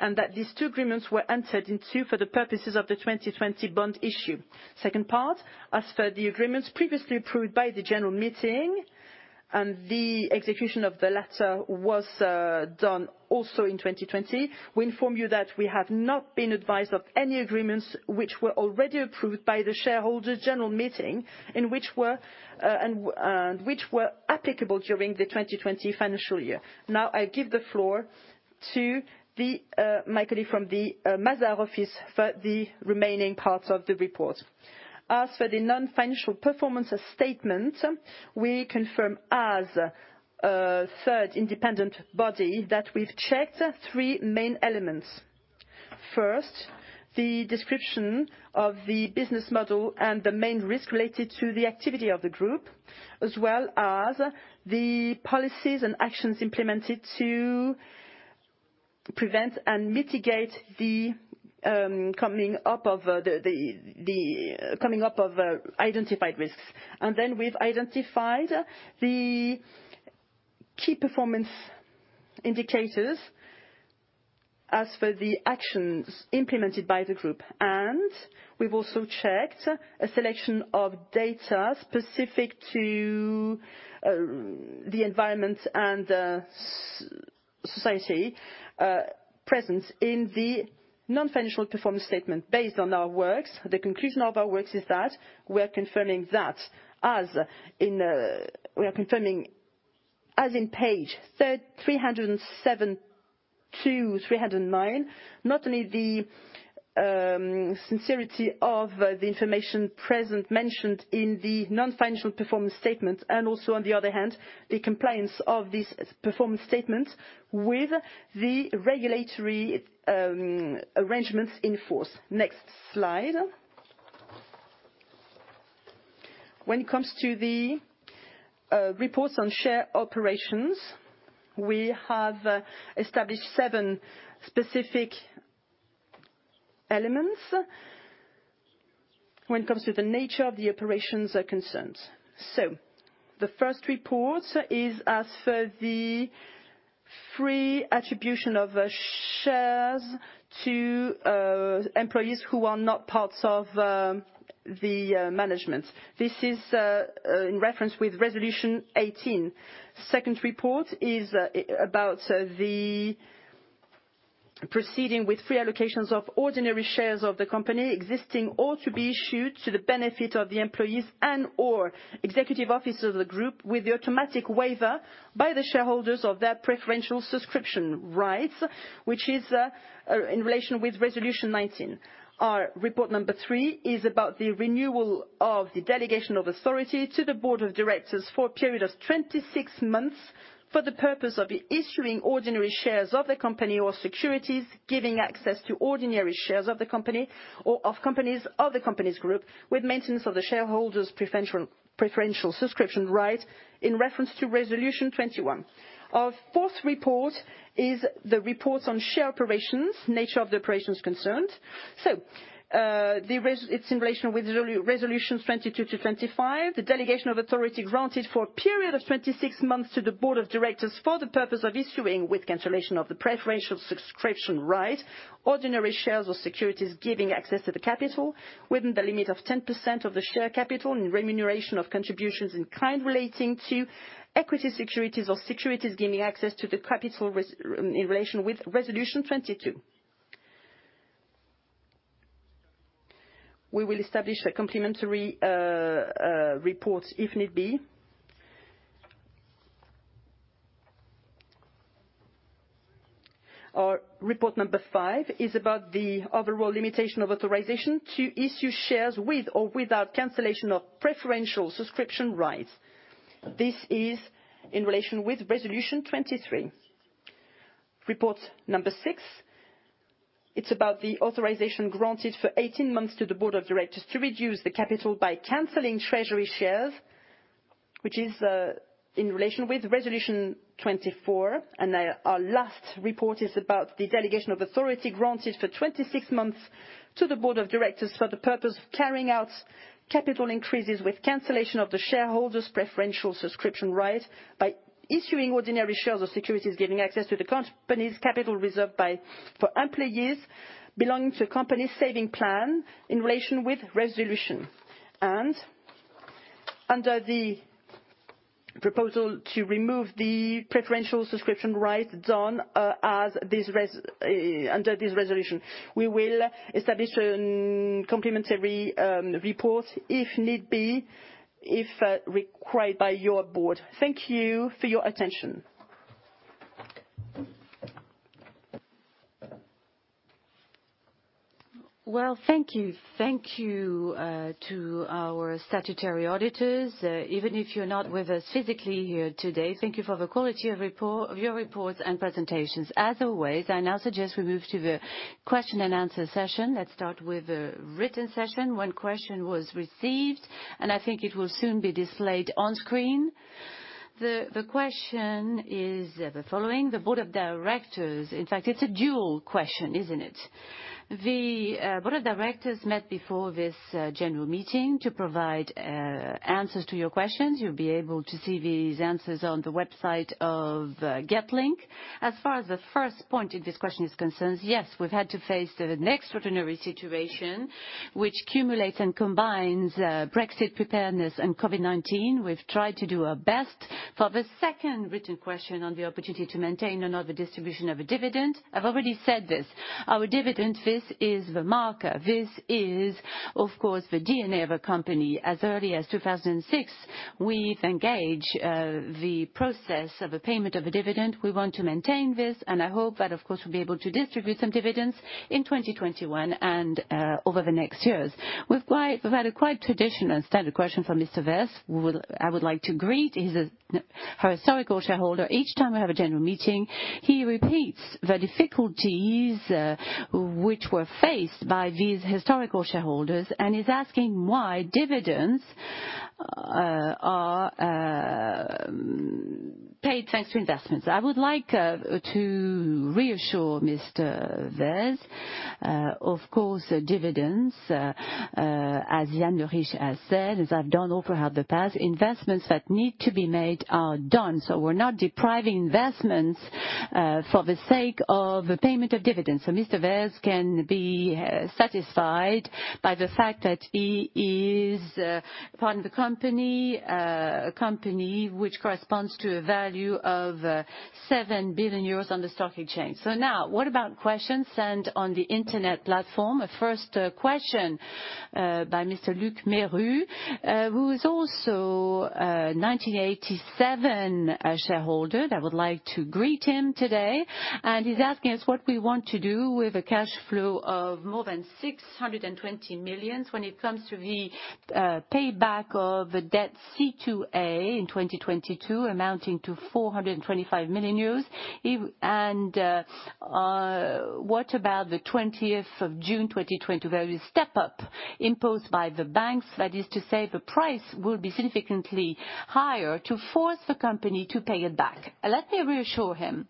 and that these two agreements were entered into for the purposes of the 2020 bond issue. Second part, as per the agreements previously approved by the general meeting, and the execution of the latter was done also in 2020. We inform you that we have not been advised of any agreements which were already approved by the shareholder general meeting, and which were applicable during the 2020 financial year. I give the floor to Michael from the Mazars office for the remaining parts of the report. As for the non-financial performance statement, we confirm as a third independent body that we've checked three main elements. First, the description of the business model and the main risk related to the activity of the group, as well as the policies and actions implemented to prevent and mitigate the coming up of the identified risks. We've identified the key performance indicators as for the actions implemented by the group. We've also checked a selection of data specific to the environment and society, present in the non-financial performance statement based on our works. The conclusion of our works is that we are confirming as in page 307 to 309, not only the sincerity of the information present mentioned in the non-financial performance statement, on the other hand, the compliance of this performance statement with the regulatory arrangements in force. Next slide. When it comes to the reports on share operations, we have established seven specific elements when it comes to the nature of the operations are concerned. The first report is as for the free attribution of shares to employees who are not parts of the management. This is in reference with Resolution 18. Second report is about the proceeding with free allocations of ordinary shares of the company existing or to be issued to the benefit of the employees and/or executive officers of the group with the automatic waiver by the shareholders of their preferential subscription rights, which is in relation with Resolution 19. Our report number three is about the renewal of the delegation of authority to the board of directors for a period of 26 months for the purpose of issuing ordinary shares of the company or securities, giving access to ordinary shares of the company or of companies of the companies group, with maintenance of the shareholders' preferential subscription right in reference to Resolution 21. Our fourth report is the report on share operations, nature of the operations concerned. It's in relation with Resolutions 22 to 25. The delegation of authority granted for a period of 26 months to the board of directors for the purpose of issuing, with cancellation of the preferential subscription right, ordinary shares or securities giving access to the capital within the limit of 10% of the share capital and remuneration of contributions in kind relating to equity securities or securities giving access to the capital in relation with Resolution 22. We will establish a complementary report if need be. Our report number five is about the overall limitation of authorization to issue shares with or without cancellation of preferential subscription rights. This is in relation with Resolution 23. Report number six, it's about the authorization granted for 18 months to the Board of Directors to reduce the capital by canceling treasury shares, which is in relation with Resolution 24. Our last report is about the delegation of authority granted for 26 months to the Board of Directors for the purpose of carrying out capital increases with cancellation of the shareholders' preferential subscription right by issuing ordinary shares or securities giving access to the company's capital reserve for employees belonging to a company saving plan in relation with resolution. Under the proposal to remove the preferential subscription right under this resolution. We will establish a complementary report if need be, if required by your Board. Thank you for your attention. Well, thank you. Thank you to our statutory auditors. Even if you're not with us physically here today, thank you for the quality of your reports and presentations. As always, I now suggest we move to the question and answer session. Let's start with the written session. One question was received. I think it will soon be displayed on screen. The question is the following. In fact, it's a dual question, isn't it? The Board of Directors met before this general meeting to provide answers to your questions. You'll be able to see these answers on the website of Getlink. As far as the first point in this question is concerned, yes, we've had to face an extraordinary situation which cumulates and combines Brexit preparedness and COVID-19. We've tried to do our best. For the second written question on the opportunity to maintain another distribution of a dividend. I've already said this. Our dividend, this is the marker. This is, of course, the DNA of a company. As early as 2006, we've engaged the process of a payment of a dividend. We want to maintain this, and I hope that, of course, we'll be able to distribute some dividends in 2021 and over the next years. We've had a quite traditional standard question from Mr. Vez. I would like to greet his historical shareholder. Each time we have a general meeting, he repeats the difficulties which were faced by these historical shareholders and is asking why dividends are paid thanks to investments. I would like to reassure Mr. Vez. Of course, dividends, as Yann Leriche has said, as I've done also in the past, investments that need to be made are done. We're not depriving investments for the sake of payment of dividends. Mr. Vez can be satisfied by the fact that he is part of the company, a company which corresponds to a value of 7 billion euros on the stock exchange. What about questions sent on the internet platform? A first question by Mr. Luc Merux, who is also a 1987 shareholder. I would like to greet him today, and he's asking us what we want to do with a cash flow of more than 620 million when it comes to the payback of debt C2A in 2022, amounting to 425 million euros. What about the 20th of June 2020, where we step up imposed by the banks, that is to say, the price will be significantly higher to force the company to pay it back. Let me reassure him.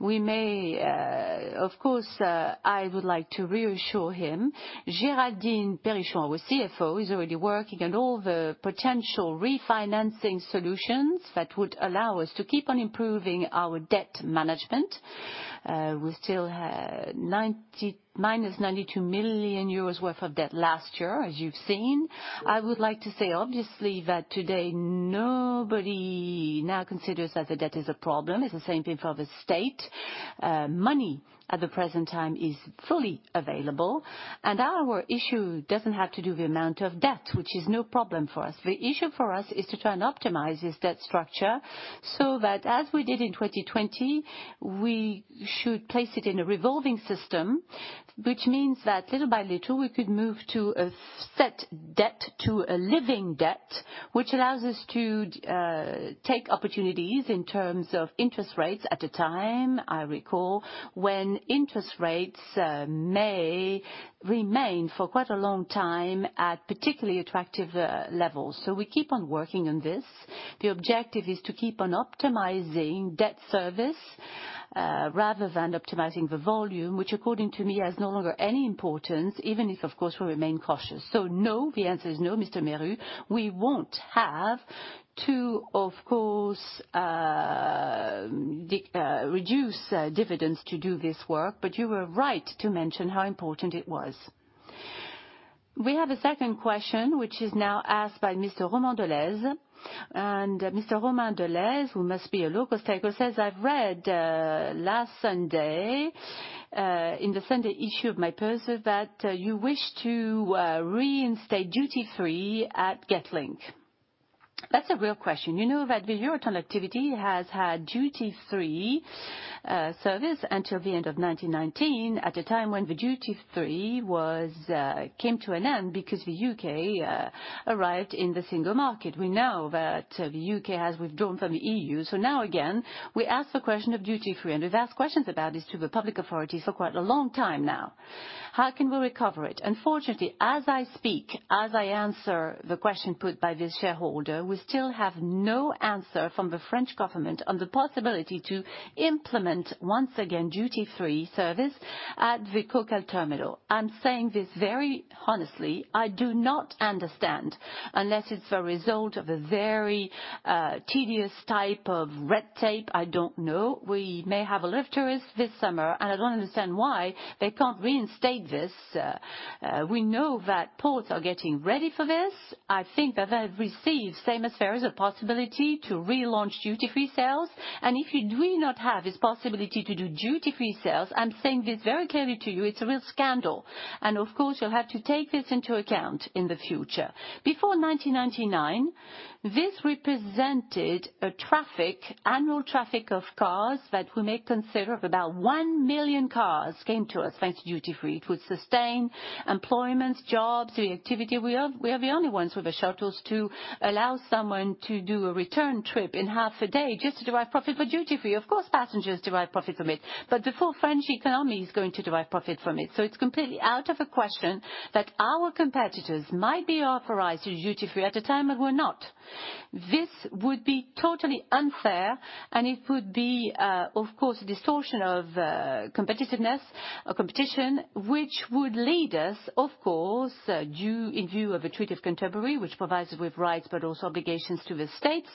Of course, I would like to reassure him. Géraldine Périchon, our CFO, is already working on all the potential refinancing solutions that would allow us to keep on improving our debt management. We still had minus €92 million worth of debt last year, as you've seen. I would like to say, obviously, that today nobody now considers that the debt is a problem. It's the same thing for the state. Money at the present time is fully available. Our issue doesn't have to do with the amount of debt, which is no problem for us. The issue for us is to try and optimize this debt structure so that as we did in 2020, we should place it in a revolving system, which means that little by little, we could move to a set debt to a living debt, which allows us to take opportunities in terms of interest rates at a time, I recall, when interest rates may remain for quite a long time at particularly attractive levels. We keep on working on this. The objective is to keep on optimizing debt service rather than optimizing the volume, which according to me has no longer any importance, even if, of course, we remain cautious. No, the answer is no, Mr. Merux. We won't have to, of course, reduce dividends to do this work, but you were right to mention how important it was. We have a second question, which is now asked by Mr. Romain Deleze. Mr. Romain Deleze, who must be a local stakeholder, says, "I've read last Sunday in the Sunday issue of 'My Pulse' that you wish to reinstate duty-free at Getlink." That's a real question. You know that the Eurotunnel activity has had duty-free service until the end of 1919, at a time when the duty-free came to an end because the U.K. arrived in the single market. We know that the U.K. has withdrawn from the EU. Now again, we ask the question of duty-free. We've asked questions about this to the public authorities for quite a long time now. How can we recover it? Unfortunately, as I speak, as I answer the question put by this shareholder, we still have no answer from the French government on the possibility to implement, once again, duty-free service at the Coquelles terminal. I'm saying this very honestly. I do not understand, unless it's a result of a very tedious type of red tape. I don't know. We may have a lot of tourists this summer, I don't understand why they can't reinstate this. We know that ports are getting ready for this. I think that they've received same as ferries, a possibility to relaunch duty-free sales. If we do not have this possibility to do duty-free sales, I'm saying this very clearly to you, it's a real scandal. Of course, you'll have to take this into account in the future. Before 1999, this represented annual traffic of cars that we may consider of about 1 million cars came to us, thanks to duty-free. It would sustain employments, jobs, the activity. We are the only ones with the shuttles to allow someone to do a return trip in half a day just to derive profit for duty-free. Of course, passengers derive profit from it, the full French economy is going to derive profit from it. It's completely out of the question that our competitors might be authorized to do duty-free at a time that we're not. This would be totally unfair, it would be, of course, a distortion of competitiveness or competition, which would lead us, of course, in view of the Treaty of Canterbury, which provides us with rights, but also obligations to the states,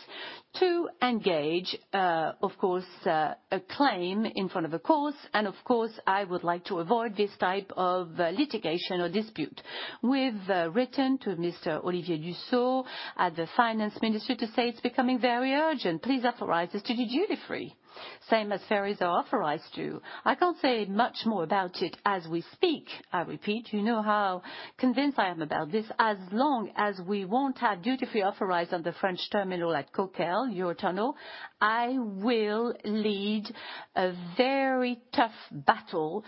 to engage, of course, a claim in front of a court. Of course, I would like to avoid this type of litigation or dispute. We've written to Mr. Olivier Dussopt at the finance ministry to say it's becoming very urgent. Please authorize us to do duty-free, same as ferries are authorized to. I can't say much more about it as we speak, I repeat. You know how convinced I am about this. As long as we won't have duty-free authorized on the French terminal at Coquelles, Eurotunnel, I will lead a very tough battle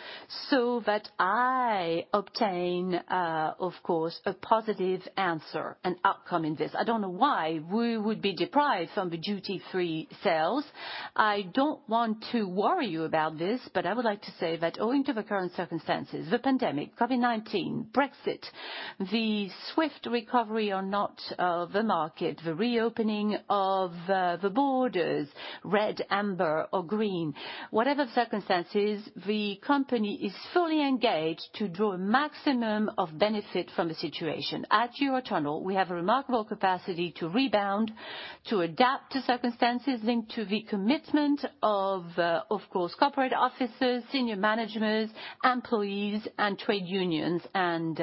so that I obtain, of course, a positive answer and outcome in this. I don't know why we would be deprived from the duty-free sales. I don't want to worry you about this, but I would like to say that owing to the current circumstances, the pandemic, COVID-19, Brexit, the swift recovery or not of the market, the reopening of the borders, red, amber, or green. Whatever the circumstances, the company is fully engaged to draw a maximum of benefit from the situation. At Eurotunnel, we have a remarkable capacity to rebound, to adapt to circumstances, linked to the commitment of course, corporate officers, senior managements, employees, and trade unions and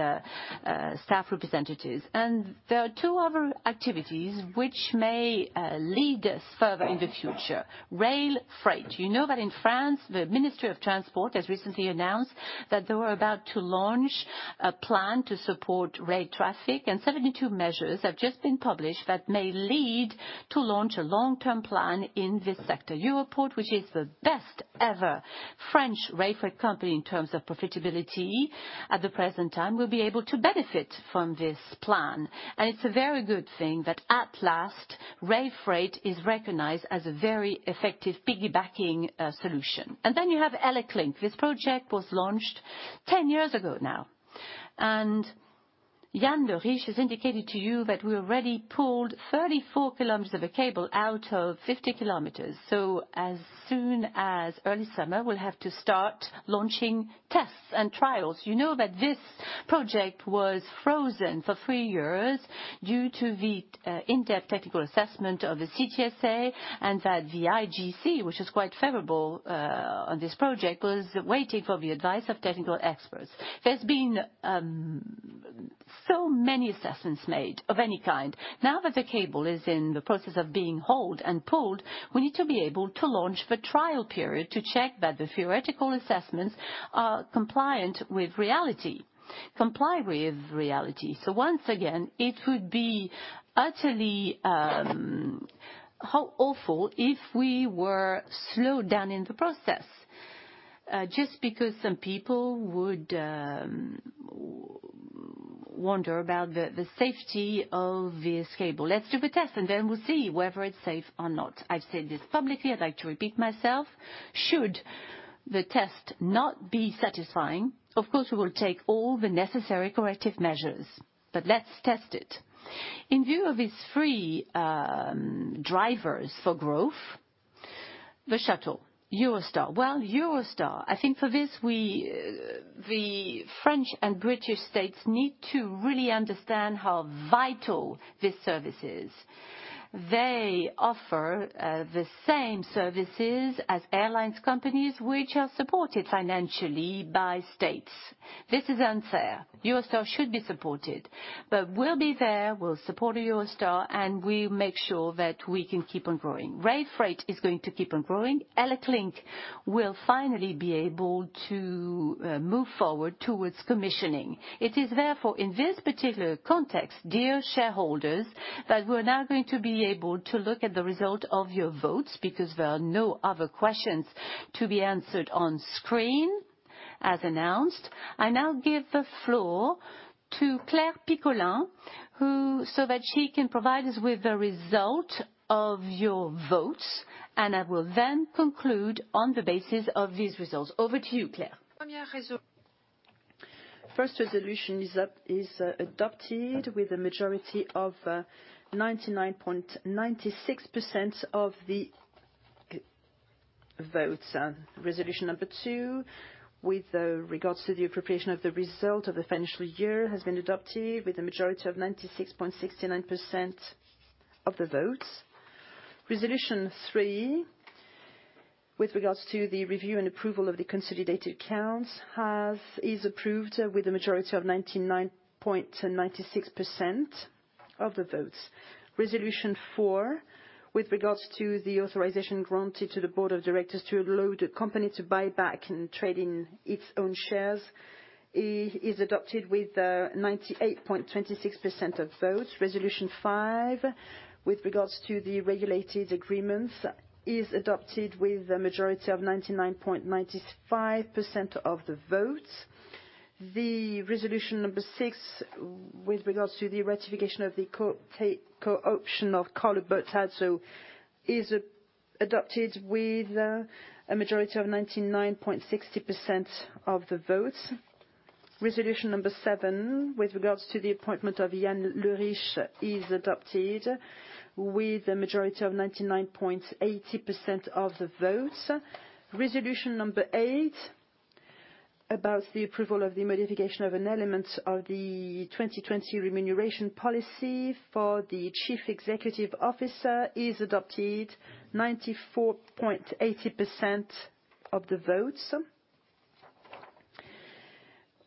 staff representatives. There are two other activities which may lead us further in the future. Rail freight. You know that in France, the Ministry of Transport has recently announced that they were about to launch a plan to support rail traffic, 72 measures have just been published that may lead to launch a long-term plan in this sector. Europorte, which is the best ever French rail freight company in terms of profitability at the present time, will be able to benefit from this plan. It's a very good thing that at last, rail freight is recognized as a very effective piggybacking solution. You have ElecLink. This project was launched 10 years ago now. Yann Leriche has indicated to you that we already pulled 34 kilometers of the cable out of 50 kilometers. As soon as early summer, we'll have to start launching tests and trials. You know that this project was frozen for three years due to the in-depth technical assessment of the CTSA, and that the IGC, which is quite favorable on this project, was waiting for the advice of technical experts. There's been so many assessments made of any kind. Now that the cable is in the process of being hauled and pulled, we need to be able to launch the trial period to check that the theoretical assessments comply with reality. Once again, it would be utterly awful if we were slowed down in the process just because some people would wonder about the safety of this cable. Let's do the test, we'll see whether it's safe or not. I've said this publicly. I'd like to repeat myself. Should the test not be satisfying, of course, we will take all the necessary corrective measures, let's test it. In view of these three drivers for growth, the shuttle, Eurostar. Well, Eurostar, I think for this, the French and British states need to really understand how vital this service is. They offer the same services as airlines companies, which are supported financially by states. This is unfair. Eurostar should be supported, we'll be there. We'll support Eurostar, we make sure that we can keep on growing. Rail freight is going to keep on growing. ElecLink will finally be able to move forward towards commissioning. It is therefore, in this particular context, dear shareholders, that we're now going to be able to look at the result of your votes, because there are no other questions to be answered on screen, as announced. I now give the floor to Claire Piccolin, so that she can provide us with the result of your votes, and I will then conclude on the basis of these results. Over to you, Claire. First resolution is adopted with a majority of 99.96% of the votes. Resolution number two, with regards to the appropriation of the result of the financial year, has been adopted with a majority of 96.69% of the votes. Resolution three, with regards to the review and approval of the consolidated accounts, is approved with a majority of 99.96% of the votes. Resolution four, with regards to the authorization granted to the board of directors to allow the company to buy back and trade in its own shares, is adopted with 98.26% of votes. Resolution five, with regards to the regulated agreements, is adopted with a majority of 99.95% of the votes. The resolution number six, with regards to the ratification of the co-option of Carlo Bertazzo, is adopted with a majority of 99.60% of the votes. Resolution number seven, with regards to the appointment of Yann Leriche, is adopted with a majority of 99.80% of the votes. Resolution number eight, about the approval of the modification of an element of the 2020 remuneration policy for the Chief Executive Officer, is adopted 94.80% of the votes.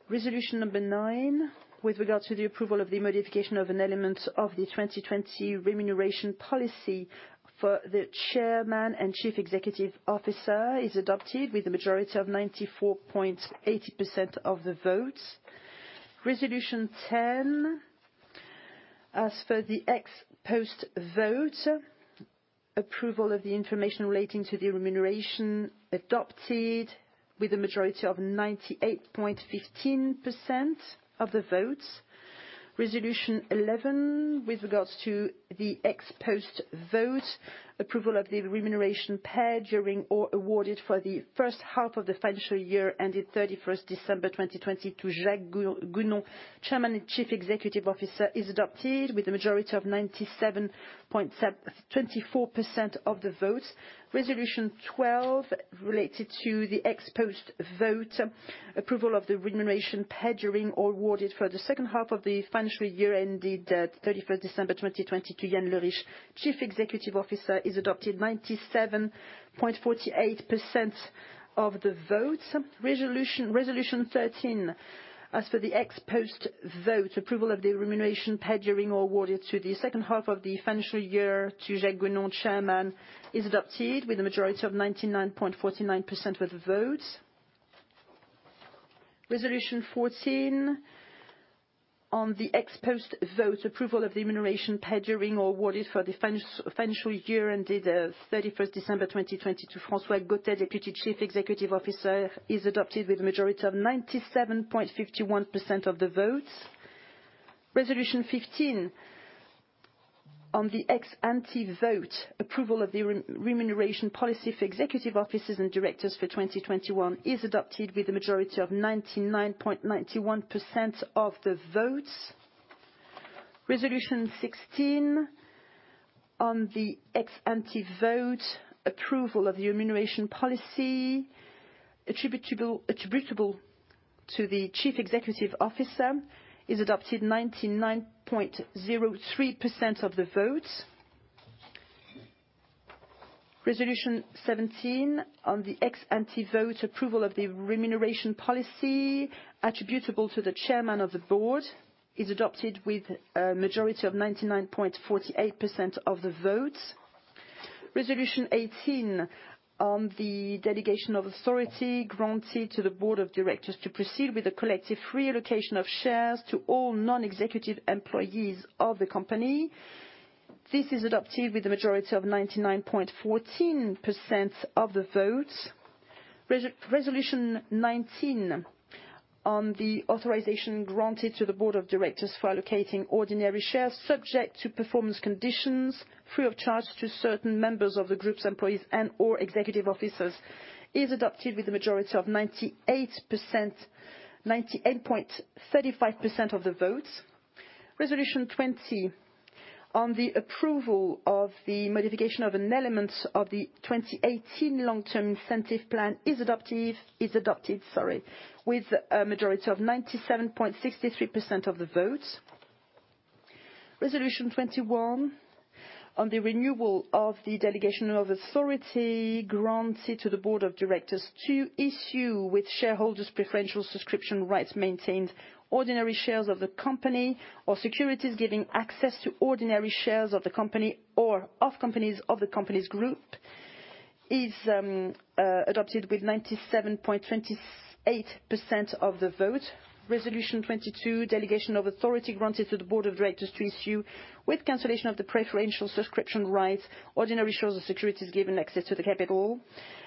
Resolution number nine, with regard to the approval of the modification of an element of the 2020 remuneration policy for the Chairman and Chief Executive Officer, is adopted with a majority of 94.80% of the votes. Resolution 10, as for the ex post vote approval of the information relating to the remuneration, adopted with a majority of 98.15% of the votes. Resolution 11, with regards to the ex post vote approval of the remuneration paid during or awarded for the first half of the financial year ended 31st December 2020 to Jacques Gounon, Chairman and Chief Executive Officer, is adopted with a majority of 97.24% of the votes. Resolution 12, related to the ex post vote approval of the remuneration paid during or awarded for the second half of the financial year ended 31st December 2020 to Yann Leriche, Chief Executive Officer, is adopted 97.48% of the votes. Resolution 13, as for the ex post vote approval of the remuneration paid during or awarded to the second half of the financial year to Jacques Gounon, Chairman, is adopted with a majority of 99.49% of the votes. Resolution 14, on the ex post vote approval of the remuneration paid during or awarded for the financial year ended 31st December 2020 to François Gauthey, Deputy Chief Executive Officer, is adopted with a majority of 97.51% of the votes. Resolution 15, on the ex ante vote approval of the remuneration policy for executive officers and directors for 2021, is adopted with a majority of 99.91% of the votes. Resolution 16, on the ex ante vote approval of the remuneration policy attributable to the Chief Executive Officer, is adopted 99.03% of the votes. Resolution 17, on the ex ante vote approval of the remuneration policy attributable to the Chairman of the Board, is adopted with a majority of 99.48% of the votes. Resolution 18, on the delegation of authority granted to the Board of Directors to proceed with the collective reallocation of shares to all non-executive employees of the company. This is adopted with a majority of 99.14% of the votes. Resolution 19, on the authorization granted to the board of directors for allocating ordinary shares subject to performance conditions, free of charge to certain members of the group's employees and/or executive officers, is adopted with a majority of 98.35% of the votes. Resolution 20, on the approval of the modification of an element of the 2018 long-term incentive plan, is adopted with a majority of 97.63% of the votes. Resolution 21 on the renewal of the delegation of authority granted to the board of directors to issue with shareholders' preferential subscription rights maintained ordinary shares of the company or securities giving access to ordinary shares of the company or of companies of the company's group, is adopted with 97.28% of the vote. Resolution 22, delegation of authority granted to the board of directors to issue with cancellation of the preferential subscription rights, ordinary shares or securities given access to the capital,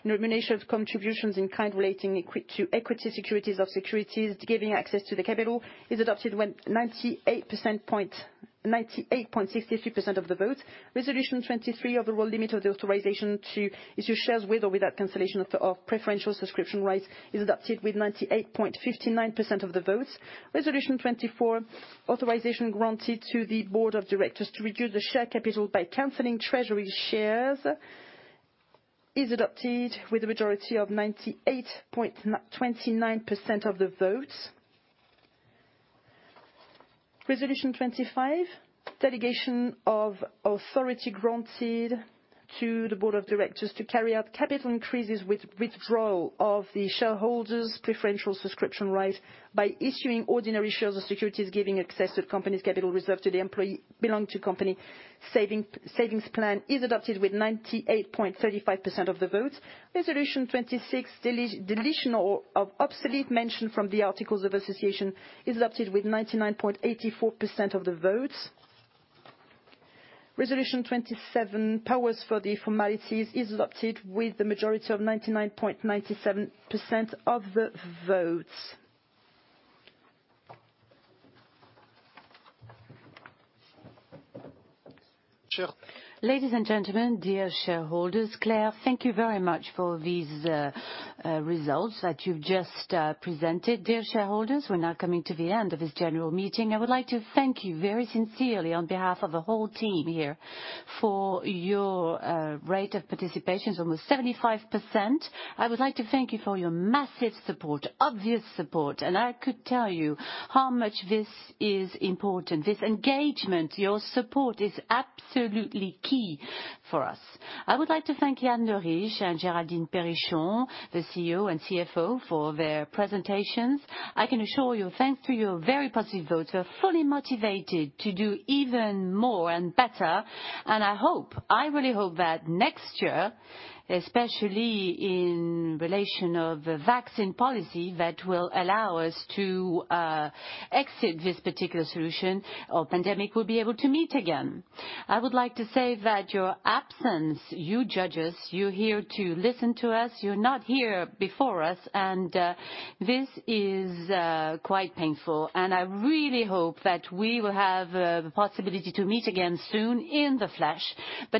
nomination of contributions in kind relating to equity securities or securities giving access to the capital, is adopted with 98.63% of the votes. Resolution 23, overall limit of the authorization to issue shares with or without cancellation of preferential subscription rights, is adopted with 98.59% of the votes. Resolution 24, authorization granted to the board of directors to reduce the share capital by canceling treasury shares, is adopted with a majority of 98.29% of the votes. Resolution 25, delegation of authority granted to the board of directors to carry out capital increases with withdrawal of the shareholders' preferential subscription rights by issuing ordinary shares or securities giving access to the company's capital reserve to the employee belonging to company savings plan, is adopted with 98.35% of the votes. Resolution 26, deletion of obsolete mention from the articles of association, is adopted with 99.84% of the votes. Resolution 27, powers for the formalities, is adopted with the majority of 99.97% of the votes. Ladies and gentlemen, dear shareholders, Claire, thank you very much for these results that you've just presented. Dear shareholders, we're now coming to the end of this general meeting. I would like to thank you very sincerely on behalf of the whole team here for your rate of participation. It's almost 75%. I would like to thank you for your massive support, obvious support, and I could tell you how much this is important. This engagement, your support, is absolutely key for us. I would like to thank Yann Leriche and Géraldine Périchon, the CEO and CFO, for their presentations. I can assure you, thanks to your very positive vote, we're fully motivated to do even more and better, and I really hope that next year, especially in relation of the vaccine policy that will allow us to exit this particular situation of pandemic, we'll be able to meet again. I would like to say that your absence, you judges, you're here to listen to us. You're not here before us, and this is quite painful, and I really hope that we will have the possibility to meet again soon in the flesh.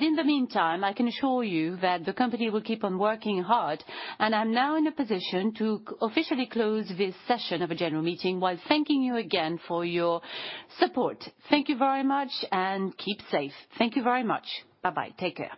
In the meantime, I can assure you that the company will keep on working hard, and I'm now in a position to officially close this session of the general meeting while thanking you again for your support. Thank you very much and keep safe. Thank you very much. Bye-bye. Take care.